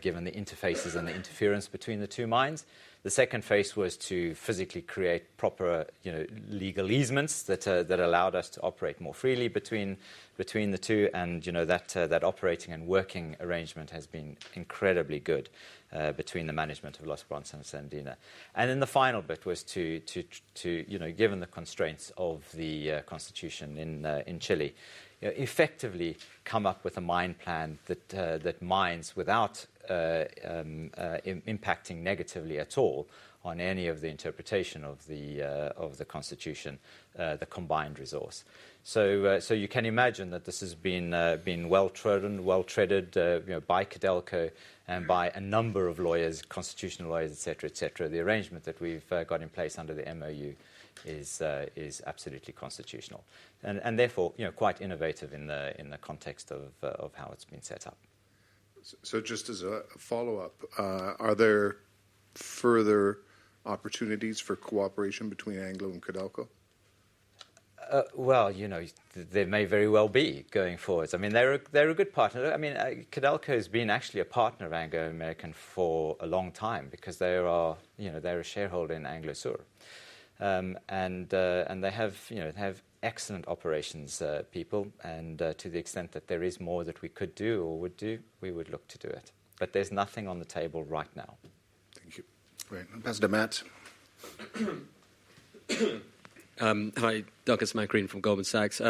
given the interfaces and the interference between the two mines. The second phase was to physically create proper legal easements that allowed us to operate more freely between the two, and that operating and working arrangement has been incredibly good between the management of Los Bronces and Andina. And then the final bit was to, given the constraints of the constitution in Chile, effectively come up with a mine plan that mines without impacting negatively at all on any of the interpretation of the constitution, the combined resource. So you can imagine that this has been well-trodden by Codelco and by a number of lawyers, constitutional lawyers, etc., etc. The arrangement that we've got in place under the MOU is absolutely constitutional and therefore quite innovative in the context of how it's been set up. So just as a follow-up, are there further opportunities for cooperation between Anglo and Codelco? Well, there may very well be going forwards. I mean, they're a good partner. I mean, Codelco has been actually a partner of Anglo American for a long time because they're a shareholder in Anglo Sur. And they have excellent operations people, and to the extent that there is more that we could do or would do, we would look to do it. But there's nothing on the table right now. Thank you. Right. Ambassador Matt. Hi, Matt Greene from Goldman Sachs.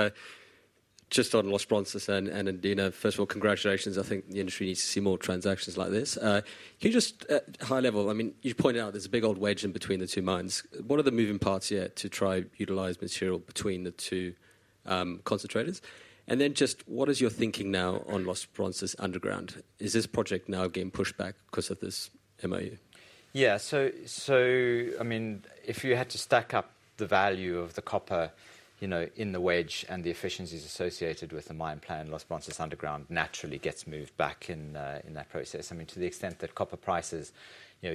Just on Los Bronces and Andina, first of all, congratulations. I think the industry needs to see more transactions like this. Can you just high level, I mean, you pointed out there's a big old wedge in between the two mines. What are the moving parts here to try to utilize material between the two concentrators? And then just what is your thinking now on Los Bronces underground? Is this project now getting pushed back because of this MOU? Yeah, so I mean, if you had to stack up the value of the copper in the wedge and the efficiencies associated with the mine plan, Los Bronces underground naturally gets moved back in that process. I mean, to the extent that copper prices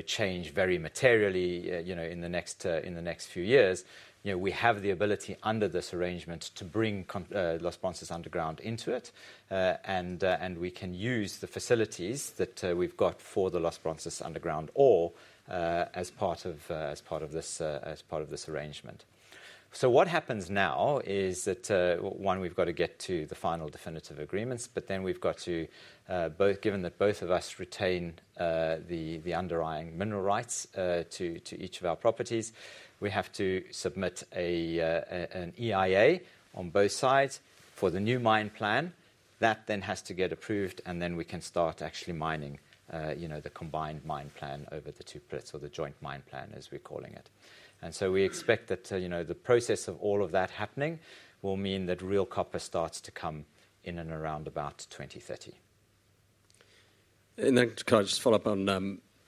change very materially in the next few years, we have the ability under this arrangement to bring Los Bronces underground into it, and we can use the facilities that we've got for the Los Bronces underground ore as part of this arrangement. So what happens now is that, one, we've got to get to the final definitive agreements, but then we've got to, given that both of us retain the underlying mineral rights to each of our properties, we have to submit an EIA on both sides for the new mine plan. That then has to get approved, and then we can start actually mining the combined mine plan over the two pits or the joint mine plan, as we're calling it. We expect that the process of all of that happening will mean that real copper starts to come in and around about 2030. Can I just follow up on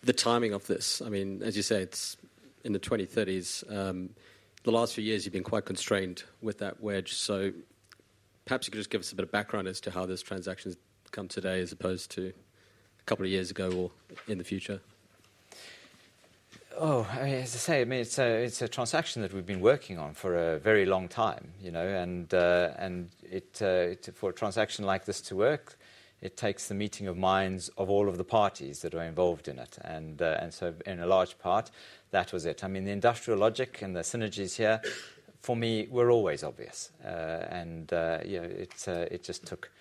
the timing of this? I mean, as you say, it's in the 2030s. The last few years, you've been quite constrained with that wedge. Perhaps you could just give us a bit of background as to how those transactions come today as opposed to a couple of years ago or in the future. Oh, as I say, I mean, it's a transaction that we've been working on for a very long time. And for a transaction like this to work, it takes the meeting of minds of all of the parties that are involved in it. And so in a large part, that was it. I mean, the industrial logic and the synergies here, for me, were always obvious. And it just took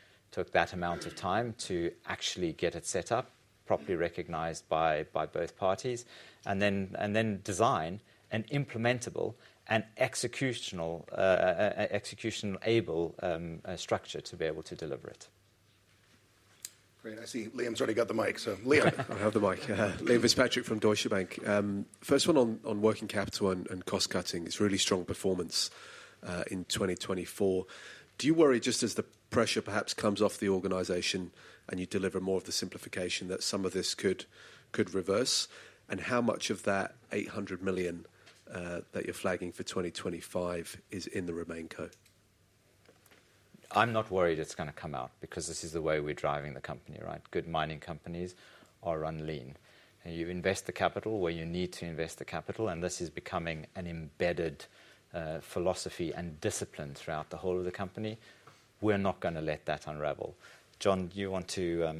that amount of time to actually get it set up, properly recognized by both parties, and then design an implementable and executable structure to be able to deliver it. Great. I see Liam's already got the mic, so Liam. I have the mic. Liam Fitzpatrick from Deutsche Bank. First one on working capital and cost cutting. It's really strong performance in 2024. Do you worry just as the pressure perhaps comes off the organization and you deliver more of the simplification that some of this could reverse? How much of that $800 million that you're flagging for 2025 is in the remaining coal? I'm not worried it's going to come out because this is the way we're driving the company, right? Good mining companies are lean. You invest the capital where you need to invest the capital, and this is becoming an embedded philosophy and discipline throughout the whole of the company. We're not going to let that unravel. John, you want to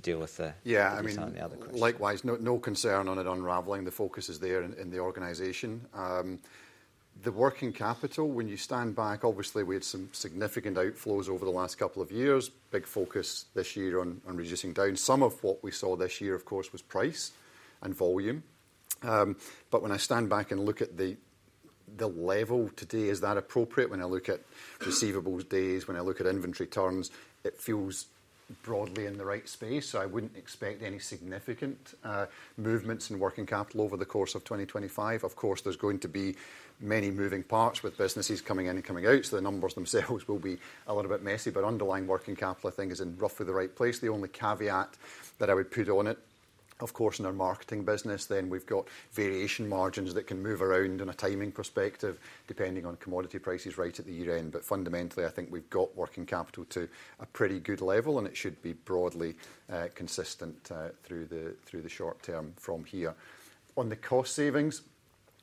deal with some of the other questions. Yeah, I mean, likewise, no concern on it unraveling. The focus is there in the organization. The working capital, when you stand back, obviously, we had some significant outflows over the last couple of years, big focus this year on reducing down. Some of what we saw this year, of course, was price and volume. But when I stand back and look at the level today, is that appropriate? When I look at receivables days, when I look at inventory turns, it feels broadly in the right space. So I wouldn't expect any significant movements in working capital over the course of 2025. Of course, there's going to be many moving parts with businesses coming in and coming out, so the numbers themselves will be a little bit messy. But underlying working capital, I think, is in roughly the right place. The only caveat that I would put on it, of course, in our marketing business, then we've got variation margins that can move around in a timing perspective depending on commodity prices right at the year-end. But fundamentally, I think we've got working capital to a pretty good level, and it should be broadly consistent through the short term from here. On the cost savings,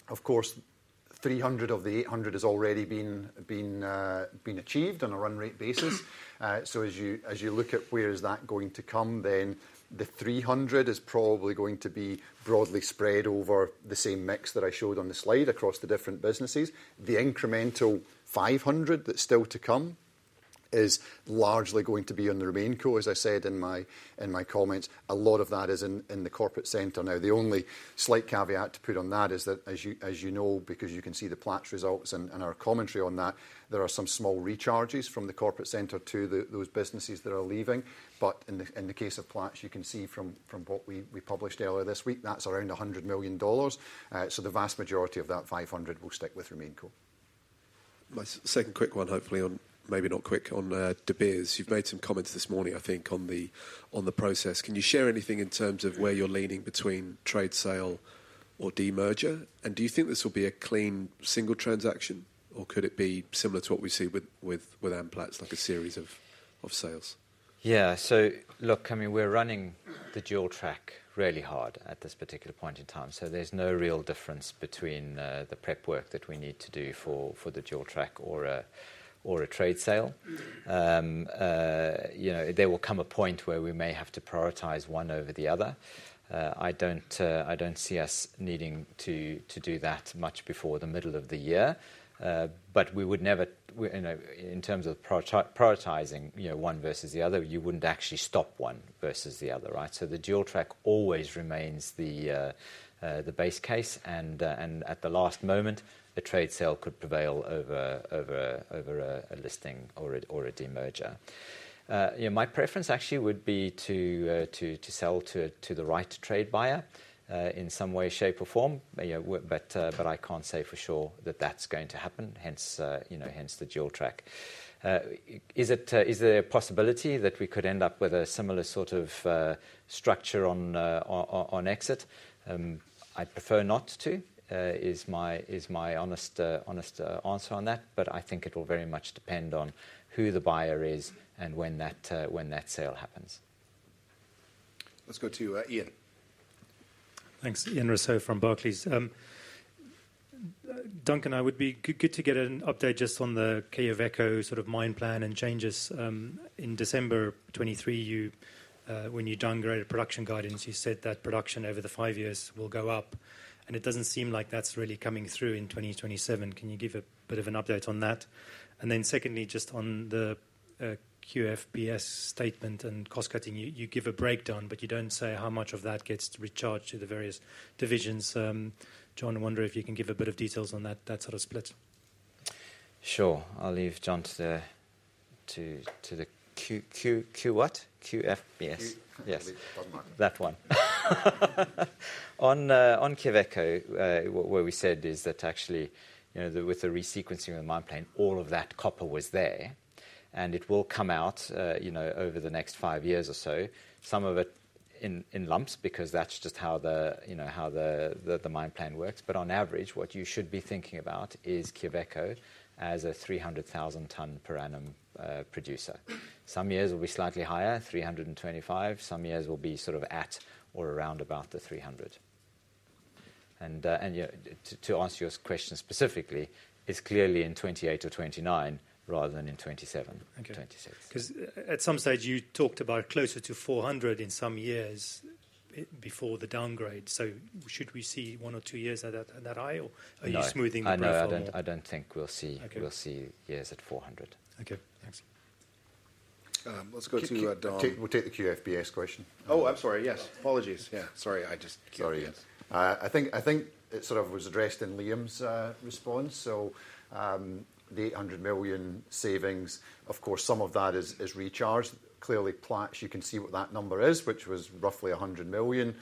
of course, 300 of the 800 has already been achieved on a run rate basis. So as you look at where is that going to come, then the 300 is probably going to be broadly spread over the same mix that I showed on the slide across the different businesses. The incremental 500 that's still to come is largely going to be in the remaining coal. As I said in my comments, a lot of that is in the corporate center. Now, the only slight caveat to put on that is that, as you know, because you can see the plats results and our commentary on that, there are some small recharges from the corporate center to those businesses that are leaving. But in the case of plats, you can see from what we published earlier this week, that's around $100 million. So the vast majority of that 500 will stick with remaining coal. My second quick one, hopefully, maybe not quick, on De Beers. You've made some comments this morning, I think, on the process. Can you share anything in terms of where you're leaning between trade sale or demerger? And do you think this will be a clean single transaction, or could it be similar to what we see with Amplats, like a series of sales? Yeah, so look, I mean, we're running the dual track really hard at this particular point in time. So there's no real difference between the prep work that we need to do for the dual track or a trade sale. There will come a point where we may have to prioritize one over the other. I don't see us needing to do that much before the middle of the year. But we would never, in terms of prioritizing one versus the other, you wouldn't actually stop one versus the other, right? So the dual track always remains the base case, and at the last moment, a trade sale could prevail over a listing or a demerger. My preference actually would be to sell to the right trade buyer in some way, shape, or form, but I can't say for sure that that's going to happen, hence the dual track. Is there a possibility that we could end up with a similar sort of structure on exit? I'd prefer not to, is my honest answer on that, but I think it will very much depend on who the buyer is and when that sale happens. Let's go to Ian. Thanks. Ian Rossouw from Barclays. Duncan, it would be good to get an update just on the Quellaveco sort of mine plan and changes. In December 2023, when you downgraded production guidance, you said that production over the five years will go up, and it doesn't seem like that's really coming through in 2027. Can you give a bit of an update on that? And then secondly, just on the QFBS statement and cost cutting, you give a breakdown, but you don't say how much of that gets recharged to the various divisions. John, I wonder if you can give a bit of details on that sort of split. Sure. I'll leave John to the Q what? QFBS. Yes. That one. On Quellaveco, what we said is that actually with the resequencing of the mine plan, all of that copper was there, and it will come out over the next five years or so, some of it in lumps because that's just how the mine plan works. But on average, what you should be thinking about is Quellaveco as a 300,000-ton per annum producer. Some years will be slightly higher, 325. Some years will be sort of at or around about the 300. And to answer your question specifically, it's clearly in 2028 or 2029 rather than in 2027, 2026. Because at some stage, you talked about closer to 400 in some years before the downgrade. So should we see one or two years at that high, or are you smoothing the path a little bit? I don't think we'll see years at 400. Okay. Thanks. Let's go to Don. We'll take the QFBS question. I think it sort of was addressed in Liam's response, so the $800 million savings, of course, some of that is recharged. Clearly, Amplats, you can see what that number is, which was roughly $100 million.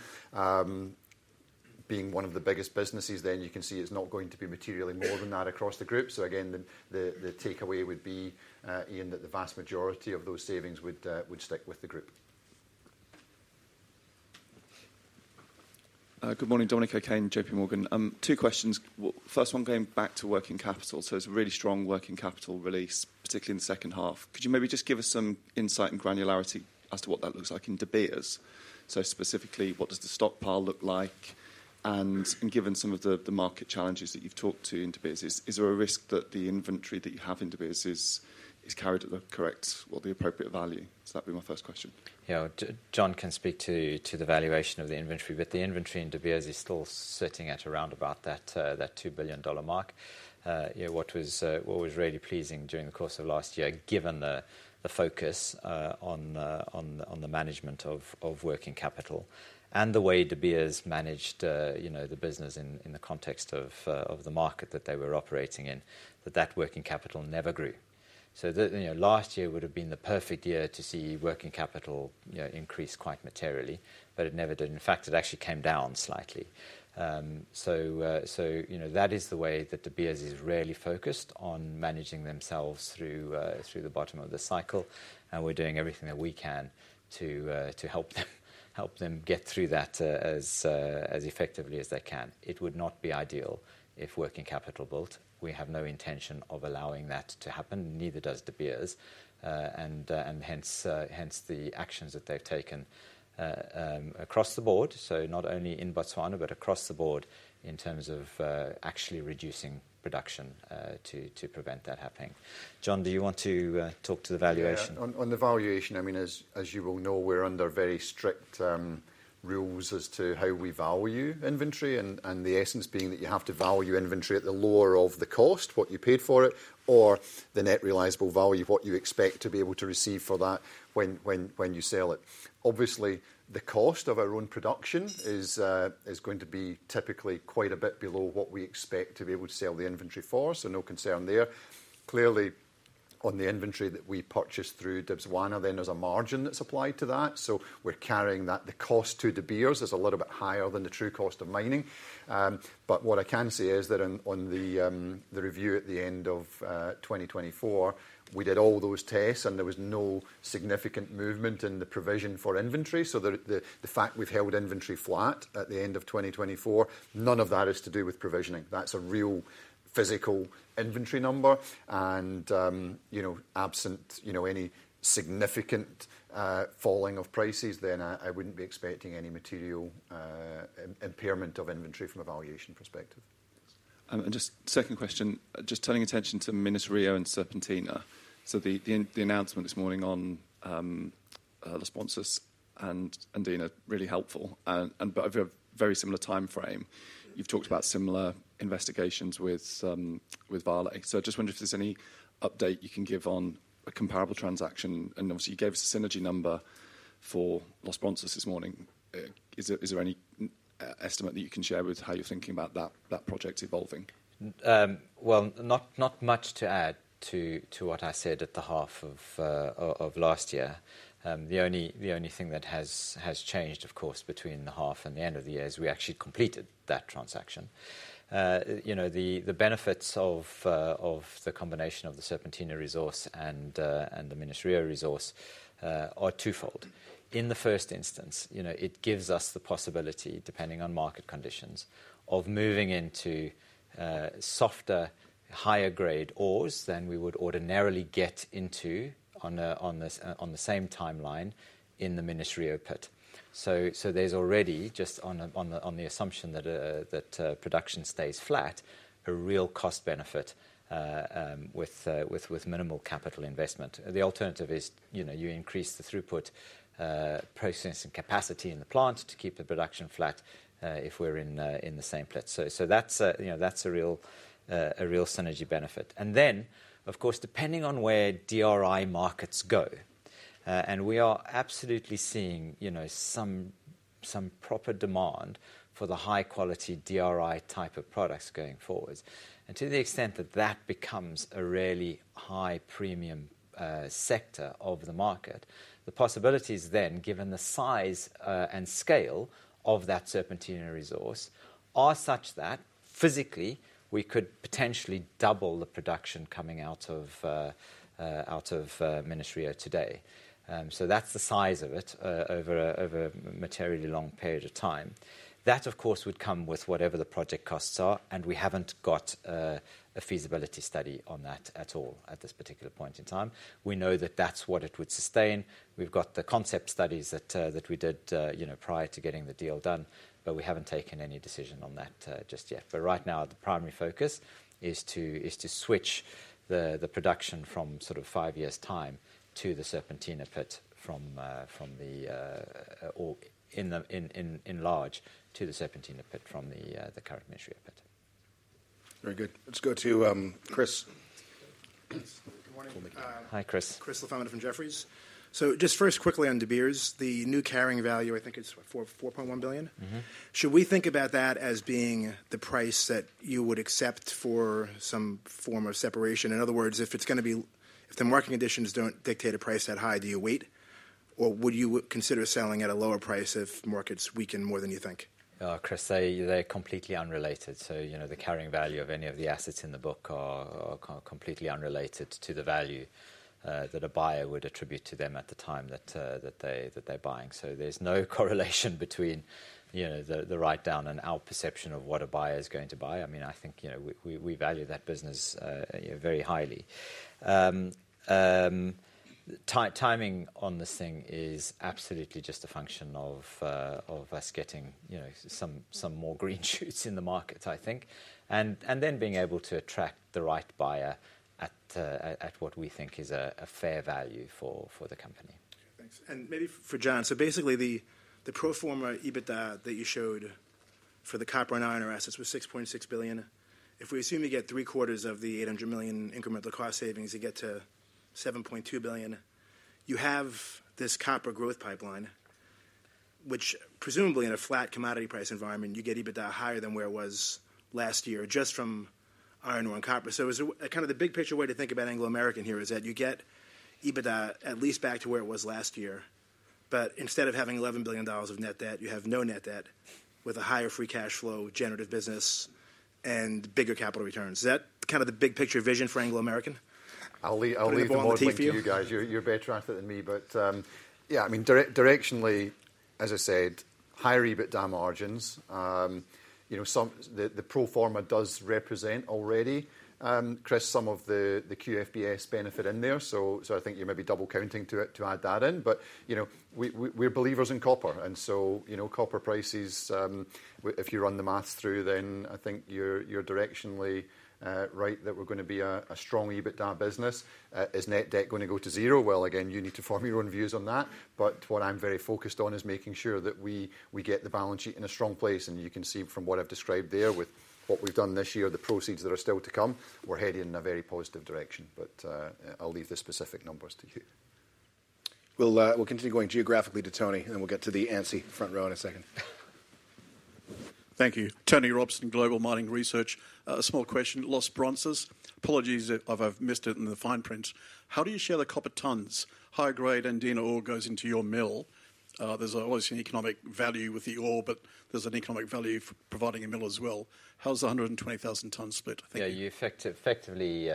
Being one of the biggest businesses, then you can see it's not going to be materially more than that across the group, so again, the takeaway would be, Ian, that the vast majority of those savings would stick with the group. Good morning. Dominic O'Kane, JP Morgan. Two questions. First one going back to working capital. So it's a really strong working capital release, particularly in the second half. Could you maybe just give us some insight and granularity as to what that looks like in De Beers? So specifically, what does the stockpile look like? And given some of the market challenges that you've talked to in De Beers, is there a risk that the inventory that you have in De Beers is carried at the correct or the appropriate value? So that'd be my first question. Yeah. John can speak to the valuation of the inventory, but the inventory in De Beers is still sitting at around about that $2 billion mark. What was really pleasing during the course of last year, given the focus on the management of working capital and the way De Beers managed the business in the context of the market that they were operating in, that that working capital never grew. So last year would have been the perfect year to see working capital increase quite materially, but it never did. In fact, it actually came down slightly. So that is the way that De Beers is really focused on managing themselves through the bottom of the cycle, and we're doing everything that we can to help them get through that as effectively as they can. It would not be ideal if working capital built. We have no intention of allowing that to happen, neither does De Beers, and hence the actions that they've taken across the board, so not only in Botswana, but across the board in terms of actually reducing production to prevent that happening. John, do you want to talk to the valuation? On the valuation, I mean, as you will know, we're under very strict rules as to how we value inventory, and the essence being that you have to value inventory at the lower of the cost, what you paid for it, or the net realizable value, what you expect to be able to receive for that when you sell it. Obviously, the cost of our own production is going to be typically quite a bit below what we expect to be able to sell the inventory for, so no concern there. Clearly, on the inventory that we purchase through Debswana, then there's a margin that's applied to that. So we're carrying that. The cost to De Beers is a little bit higher than the true cost of mining. But what I can say is that on the review at the end of 2024, we did all those tests, and there was no significant movement in the provision for inventory. So the fact we've held inventory flat at the end of 2024, none of that is to do with provisioning. That's a real physical inventory number. And absent any significant falling of prices, then I wouldn't be expecting any material impairment of inventory from a valuation perspective. And just second question, just turning attention to Minas-Rio and Serpentina. So the announcement this morning on Los Bronces and Andina is really helpful, but of a very similar timeframe. You've talked about similar investigations with Vale. So I just wonder if there's any update you can give on a comparable transaction. And obviously, you gave us a synergy number for Los Bronces this morning. Is there any estimate that you can share with how you're thinking about that project evolving? Well, not much to add to what I said at the half of last year. The only thing that has changed, of course, between the half and the end of the year is we actually completed that transaction. The benefits of the combination of the Serpentina resource and the Minas-Rio resource are twofold. In the first instance, it gives us the possibility, depending on market conditions, of moving into softer, higher-grade ores than we would ordinarily get into on the same timeline in the Minas-Rio pit. So there's already, just on the assumption that production stays flat, a real cost benefit with minimal capital investment. The alternative is you increase the throughput, processing, and capacity in the plant to keep the production flat if we're in the same pit. So that's a real synergy benefit. And then, of course, depending on where DRI markets go, and we are absolutely seeing some proper demand for the high-quality DRI type of products going forward. And to the extent that that becomes a really high premium sector of the market, the possibilities then, given the size and scale of that Serpentina resource, are such that physically, we could potentially double the production coming out of Minas-Rio today. So that's the size of it over a materially long period of time. That, of course, would come with whatever the project costs are, and we haven't got a feasibility study on that at all at this particular point in time. We know that that's what it would sustain. We've got the concept studies that we did prior to getting the deal done, but we haven't taken any decision on that just yet. But right now, the primary focus is to switch the production from, sort of, five years' time to the Serpentina pit, largely to the Serpentina pit from the current Minas-Rio pit. Very good. Let's go to Chris. Good morning. Hi, Chris. Chris LaFemina from Jefferies. So just first, quickly on De Beers, the new carrying value, I think it's $4.1 billion. Should we think about that as being the price that you would accept for some form of separation? In other words, if the market conditions don't dictate a price that high, do you wait, or would you consider selling at a lower price if markets weaken more than you think? Chris, they're completely unrelated. So the carrying value of any of the assets in the book are completely unrelated to the value that a buyer would attribute to them at the time that they're buying. So there's no correlation between the write-down and our perception of what a buyer is going to buy. I mean, I think we value that business very highly. Timing on this thing is absolutely just a function of us getting some more green shoots in the market, I think, and then being able to attract the right buyer at what we think is a fair value for the company. Thanks. And maybe for John, so basically, the pro forma EBITDA that you showed for the copper and iron ore assets was $6.6 billion. If we assume you get three-quarters of the $800 million incremental cost savings, you get to $7.2 billion. You have this copper growth pipeline, which presumably in a flat commodity price environment, you get EBITDA higher than where it was last year just from iron ore and copper. So kind of the big picture way to think about Anglo American here is that you get EBITDA at least back to where it was last year, but instead of having $11 billion of net debt, you have no net debt with a higher free cash flow, generative business, and bigger capital returns. Is that kind of the big picture vision for Anglo American? I'll leave more of that to you guys. You're better at it than me. But yeah, I mean, directionally, as I said, higher EBITDA margins. The pro forma does represent already, Chris, some of the QFBS benefit in there. So I think you're maybe double counting to add that in. But we're believers in copper. And so copper prices, if you run the math through, then I think you're directionally right that we're going to be a strong EBITDA business. Is net debt going to go to zero? Well, again, you need to form your own views on that. But what I'm very focused on is making sure that we get the balance sheet in a strong place. And you can see from what I've described there with what we've done this year, the proceeds that are still to come, we're heading in a very positive direction. But I'll leave the specific numbers to you. We'll continue going geographically to Tony, and then we'll get to the Aussie front row in a second. Thank you. Tony Robson, Global Mining Research. A small question. Los Bronces. Apologies, if I've missed it in the fine print. How do you share the copper tons, high-grade Andina ore goes into your mill? There's always an economic value with the ore, but there's an economic value providing a mill as well. How's the 120,000-ton split? Yeah. You effectively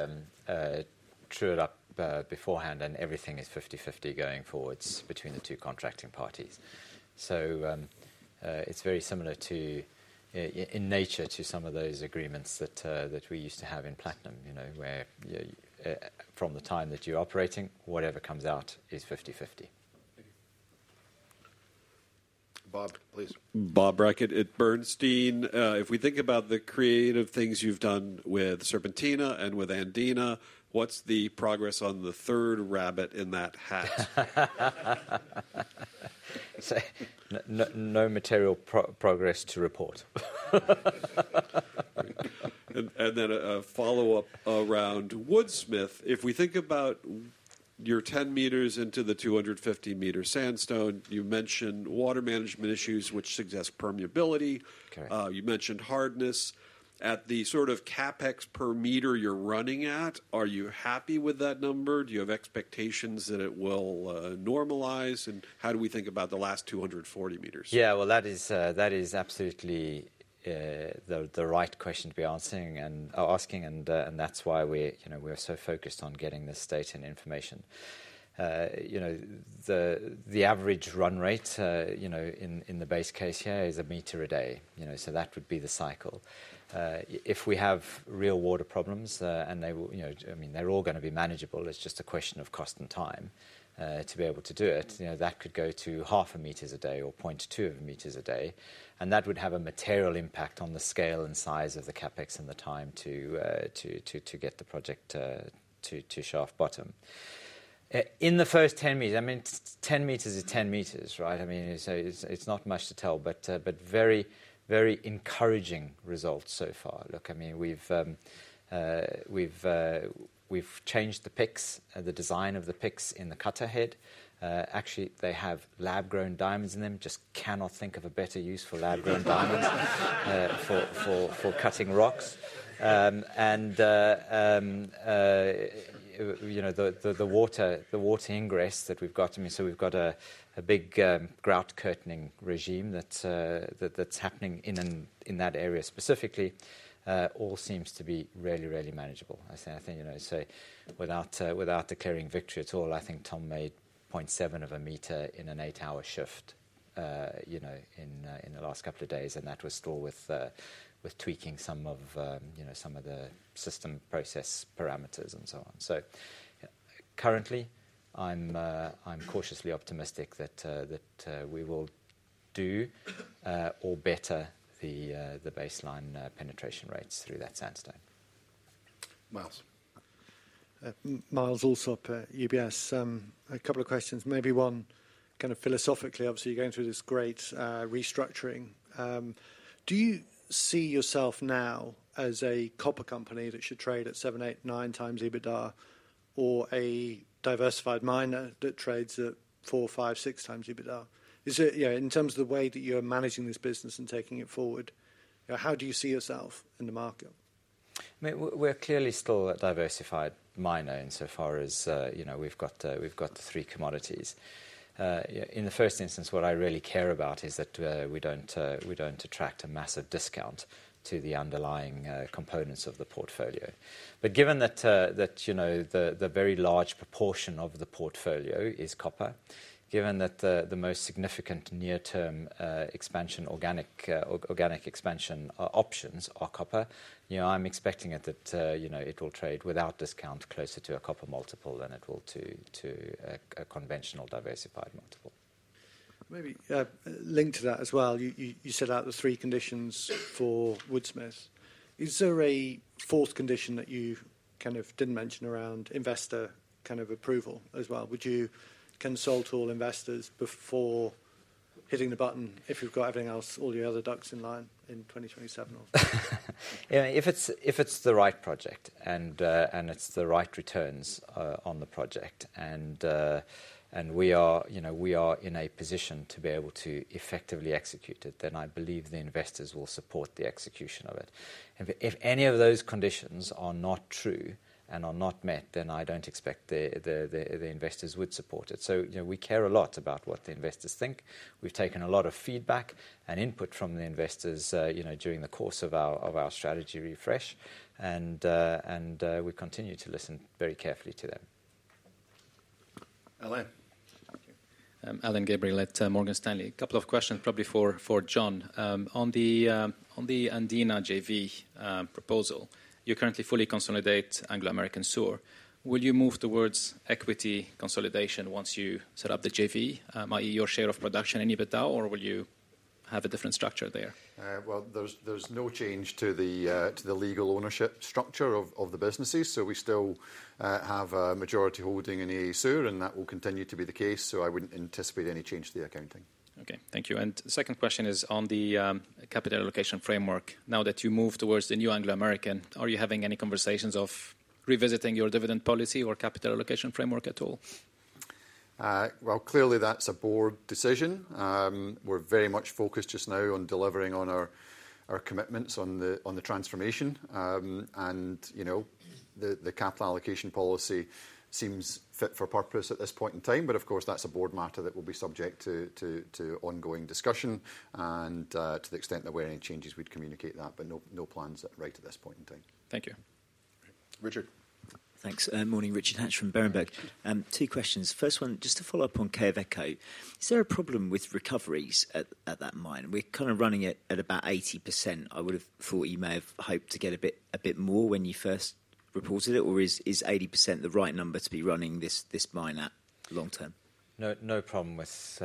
true it up beforehand, and everything is 50/50 going forward between the two contracting parties, so it's very similar in nature to some of those agreements that we used to have in Platinum, where from the time that you're operating, whatever comes out is 50/50. Thank you. Bob, please. Bob Brackett at Bernstein. If we think about the creative things you've done with Serpentina and with Andina, what's the progress on the third rabbit in that hat? No material progress to report, and then a follow-up around Woodsmith. If we think about your 10 meters into the 250-meter sandstone, you mentioned water management issues, which suggests permeability. You mentioned hardness. At the sort of CapEx per meter you're running at, are you happy with that number? Do you have expectations that it will normalize, and how do we think about the last 240 meters? That is absolutely the right question to be asking, and that's why we're so focused on getting this data and information. The average run rate in the base case here is a meter a day. So that would be the cycle. If we have real water problems, and I mean, they're all going to be manageable, it's just a question of cost and time to be able to do it. That could go to half a meter a day or 0.2 of a meter a day. And that would have a material impact on the scale and size of the CapEx and the time to get the project to shaft bottom. In the first 10 meters, I mean, 10 meters is 10 meters, right? I mean, it's not much to tell, but very encouraging results so far. Look, I mean, we've changed the picks, the design of the picks in the cutter head. Actually, they have lab-grown diamonds in them. Just cannot think of a better use for lab-grown diamonds for cutting rocks. And the water ingress that we've got, I mean, so we've got a big grout curtaining regime that's happening in that area specifically, all seems to be really, really manageable. I think without declaring victory at all, I think Tom made 0.7 of a meter in an eight-hour shift in the last couple of days, and that was still with tweaking some of the system process parameters and so on. So currently, I'm cautiously optimistic that we will do or better the baseline penetration rates through that sandstone. Myles. Myles Allsop, UBS. A couple of questions. Maybe one kind of philosophically. Obviously, you're going through this great restructuring. Do you see yourself now as a copper company that should trade at seven, eight, nine times EBITDA or a diversified miner that trades at 4, 5, 6x EBITDA? In terms of the way that you're managing this business and taking it forward, how do you see yourself in the market? We're clearly still a diversified miner insofar as we've got three commodities. In the first instance, what I really care about is that we don't attract a massive discount to the underlying components of the portfolio. But given that the very large proportion of the portfolio is copper, given that the most significant near-term organic expansion options are copper, I'm expecting that it will trade without discount closer to a copper multiple than it will to a conventional diversified multiple. Maybe link to that as well. You set out the three conditions for Woodsmith. Is there a fourth condition that you kind of didn't mention around investor kind of approval as well? Would you consult all investors before hitting the button if you've got everything else, all your other ducks in line in 2027 or? If it's the right project and it's the right returns on the project and we are in a position to be able to effectively execute it, then I believe the investors will support the execution of it. If any of those conditions are not true and are not met, then I don't expect the investors would support it. So we care a lot about what the investors think. We've taken a lot of feedback and input from the investors during the course of our strategy refresh, and we continue to listen very carefully to them. Alain Gabriel at Morgan Stanley. A couple of questions probably for John. On the Andina JV proposal, you currently fully consolidate Anglo American Sur. Will you move towards equity consolidation once you set up the JV, i.e., your share of production and EBITDA, or will you have a different structure there? Well, there's no change to the legal ownership structure of the businesses. So we still have a majority holding in Anglo American Sur, and that will continue to be the case. So I wouldn't anticipate any change to the accounting. Okay. Thank you. And the second question is on the capital allocation framework. Now that you move towards the new Anglo American, are you having any conversations of revisiting your dividend policy or capital allocation framework at all? Well, clearly, that's a board decision. We're very much focused just now on delivering on our commitments on the transformation. And the capital allocation policy seems fit for purpose at this point in time. But of course, that's a board matter that will be subject to ongoing discussion. And to the extent that we're making any changes, we'd communicate that. But no plans right at this point in time. Thank you. Richard. Thanks. Morning, Richard Hatch from Berenberg. Two questions. First one, just to follow up on Quellaveco. Is there a problem with recoveries at that mine? We're kind of running it at about 80%. I would have thought you may have hoped to get a bit more when you first reported it. Or is 80% the right number to be running this mine at long term? No problem with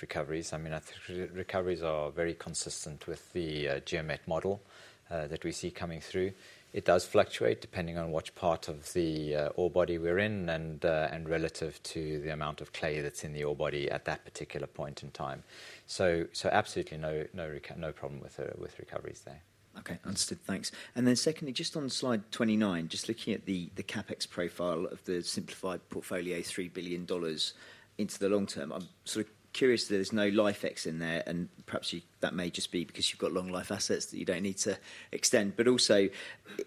recoveries. I mean, I think recoveries are very consistent with the geometric model that we see coming through. It does fluctuate depending on which part of the ore body we're in and relative to the amount of clay that's in the ore body at that particular point in time. So absolutely no problem with recoveries there. Okay. Understood. Thanks. And then secondly, just on slide 29, just looking at the CapEx profile of the simplified portfolio, $3 billion into the long term. I'm sort of curious that there's no life ex in there. And perhaps that may just be because you've got long-life assets that you don't need to extend. But also,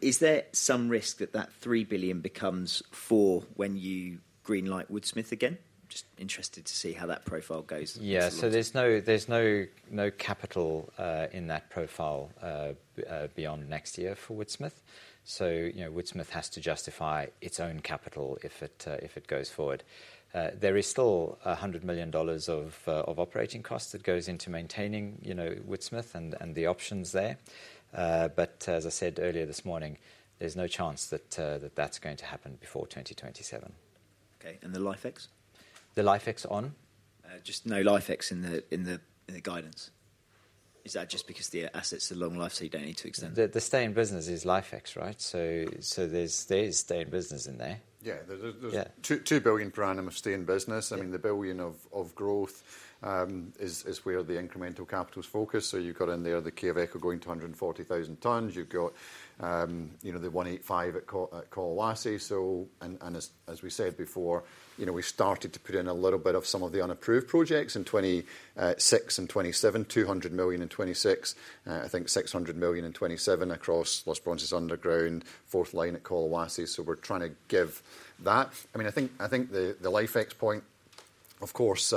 is there some risk that that $3 billion becomes for when you greenlight Woodsmith again? Just interested to see how that profile goes. Yeah. So there's no capital in that profile beyond next year for Woodsmith. So Woodsmith has to justify its own capital if it goes forward. There is still $100 million of operating costs that goes into maintaining Woodsmith and the options there. But as I said earlier this morning, there's no chance that that's going to happen before 2027. Okay. And the life ex? The life ex on? Just no life ex in the guidance. Is that just because the assets are long-life, so you don't need to extend? The stay-in-business is life ex, right? So there is stay-in-business in there. Yeah. There's $2 billion per annum of stay-in-business. I mean, the billion of growth is where the incremental capital is focused. So you've got in there the Quellaveco going to 140,000 tons. You've got the 185 at Collahuasi. As we said before, we started to put in a little bit of some of the unapproved projects in 2026 and 2027, $200 million in 2026, I think $600 million in 2027 across Los Bronces Underground, fourth line at Quellaveco. We're trying to give that. I mean, I think the life ex point, of course,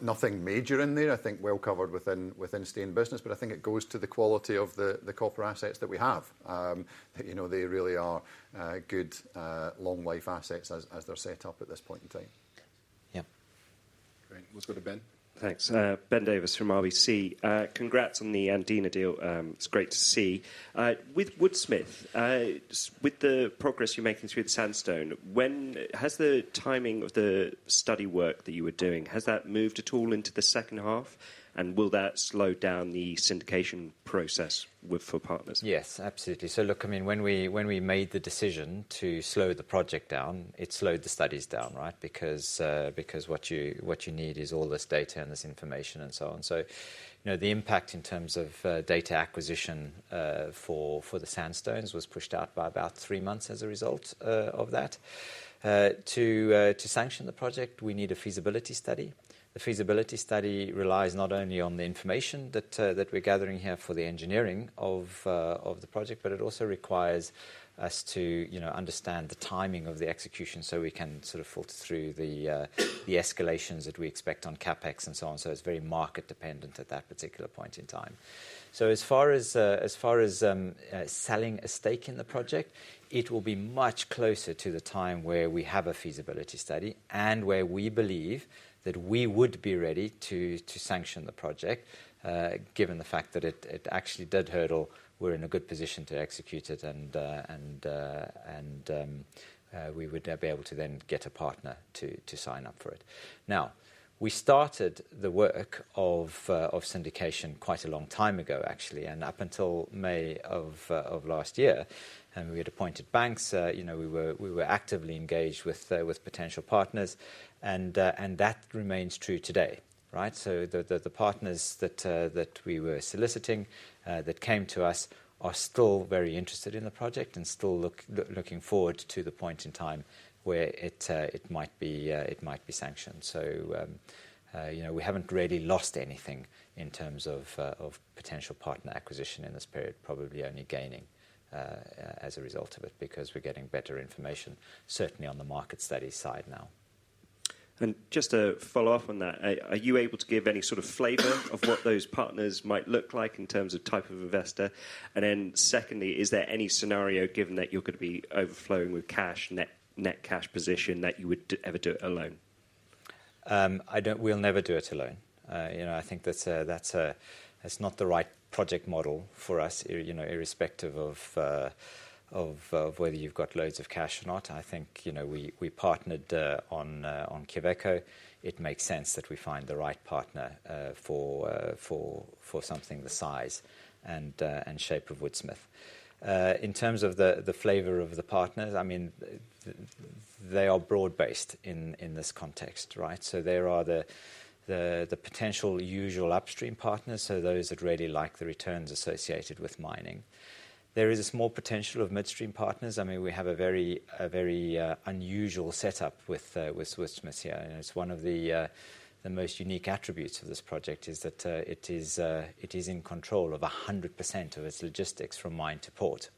nothing major in there. I think well covered within stay-in-business. I think it goes to the quality of the copper assets that we have. They really are good long-life assets as they're set up at this point in time. Yeah. Great. Let's go to Ben. Thanks. Ben Davis from RBC. Congrats on the Andina deal. It's great to see. With Woodsmith, with the progress you're making through the sandstone, has the timing of the study work that you were doing, has that moved at all into the second half? And will that slow down the syndication process for partners? Yes, absolutely. So look, I mean, when we made the decision to slow the project down, it slowed the studies down, right? Because what you need is all this data and this information and so on. So the impact in terms of data acquisition for the sandstones was pushed out by about three months as a result of that. To sanction the project, we need a feasibility study. The feasibility study relies not only on the information that we're gathering here for the engineering of the project, but it also requires us to understand the timing of the execution so we can sort of filter through the escalations that we expect on CapEx and so on. So it's very market-dependent at that particular point in time. So as far as selling a stake in the project, it will be much closer to the time where we have a feasibility study and where we believe that we would be ready to sanction the project, given the fact that it actually did hurdle. We're in a good position to execute it, and we would be able to then get a partner to sign up for it. Now, we started the work of syndication quite a long time ago, actually. And up until May of last year, we had appointed banks. We were actively engaged with potential partners. And that remains true today, right? So the partners that we were soliciting that came to us are still very interested in the project and still looking forward to the point in time where it might be sanctioned. So we haven't really lost anything in terms of potential partner acquisition in this period, probably only gaining as a result of it because we're getting better information, certainly on the market study side now. And just to follow up on that, are you able to give any sort of flavor of what those partners might look like in terms of type of investor? And then secondly, is there any scenario given that you're going to be overflowing with cash, net cash position that you would ever do it alone? We'll never do it alone. I think that's not the right project model for us, irrespective of whether you've got loads of cash or not. I think we partnered on Quellaveco. It makes sense that we find the right partner for something the size and shape of Woodsmith. In terms of the flavor of the partners, I mean, they are broad-based in this context, right, so there are the potential usual upstream partners, so those that really like the returns associated with mining. There is a small potential of midstream partners. I mean, we have a very unusual setup with Woodsmith here, and it's one of the most unique attributes of this project is that it is in control of 100% of its logistics from mine to port.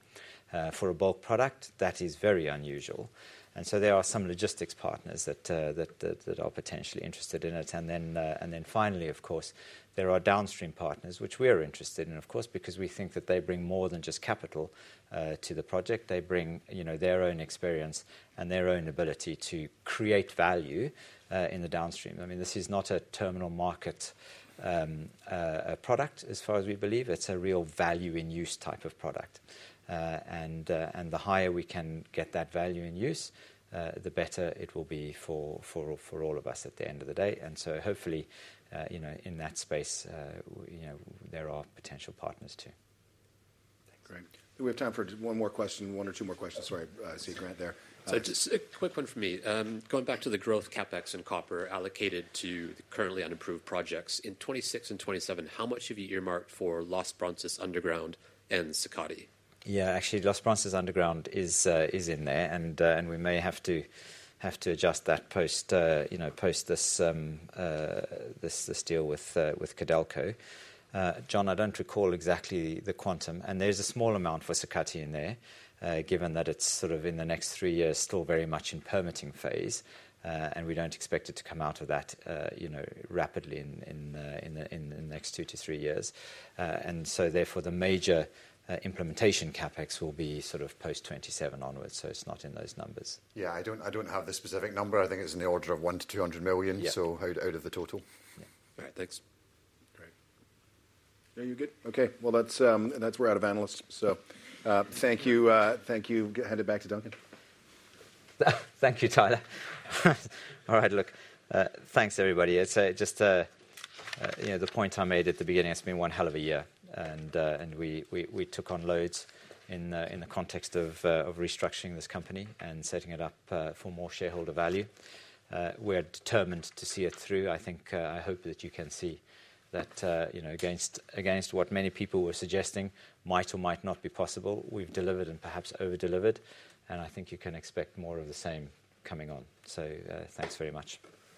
For a bulk product, that is very unusual, and so there are some logistics partners that are potentially interested in it, and then finally, of course, there are downstream partners, which we are interested in, of course, because we think that they bring more than just capital to the project. They bring their own experience and their own ability to create value in the downstream. I mean, this is not a terminal market product as far as we believe. It's a real value-in-use type of product. And the higher we can get that value-in-use, the better it will be for all of us at the end of the day. And so hopefully, in that space, there are potential partners too. Thanks. We have time for one more question, one or two more questions. Sorry, I see a Grant there. So just a quick one from me. Going back to the growth CapEx and copper allocated to the currently unapproved projects, in 2026 and 2027, how much have you earmarked for Los Bronces Underground and Sakatti? Yeah, actually, Los Bronces Underground is in there. And we may have to adjust that post this deal with Codelco. John, I don't recall exactly the quantum. There's a small amount for Sakatti in there, given that it's sort of in the next three years still very much in permitting phase. We don't expect it to come out of that rapidly in the next two to three years. Therefore, the major implementation CapEx will be sort of post-2027 onwards. It's not in those numbers. Yeah, I don't have the specific number. I think it's in the order of $1-200 million. So out of the total. Yeah. All right. Thanks. Great. Are you good? Okay. Well, that's all from the analysts. So thank you. Thank you. Hand it back to Duncan. Thank you, Tyler. All right. Look, thanks, everybody. Just the point I made at the beginning, it's been one hell of a year. And we took on loads in the context of restructuring this company and setting it up for more shareholder value. We're determined to see it through. I think I hope that you can see that against what many people were suggesting might or might not be possible. We've delivered and perhaps overdelivered. And I think you can expect more of the same coming on. So thanks very much.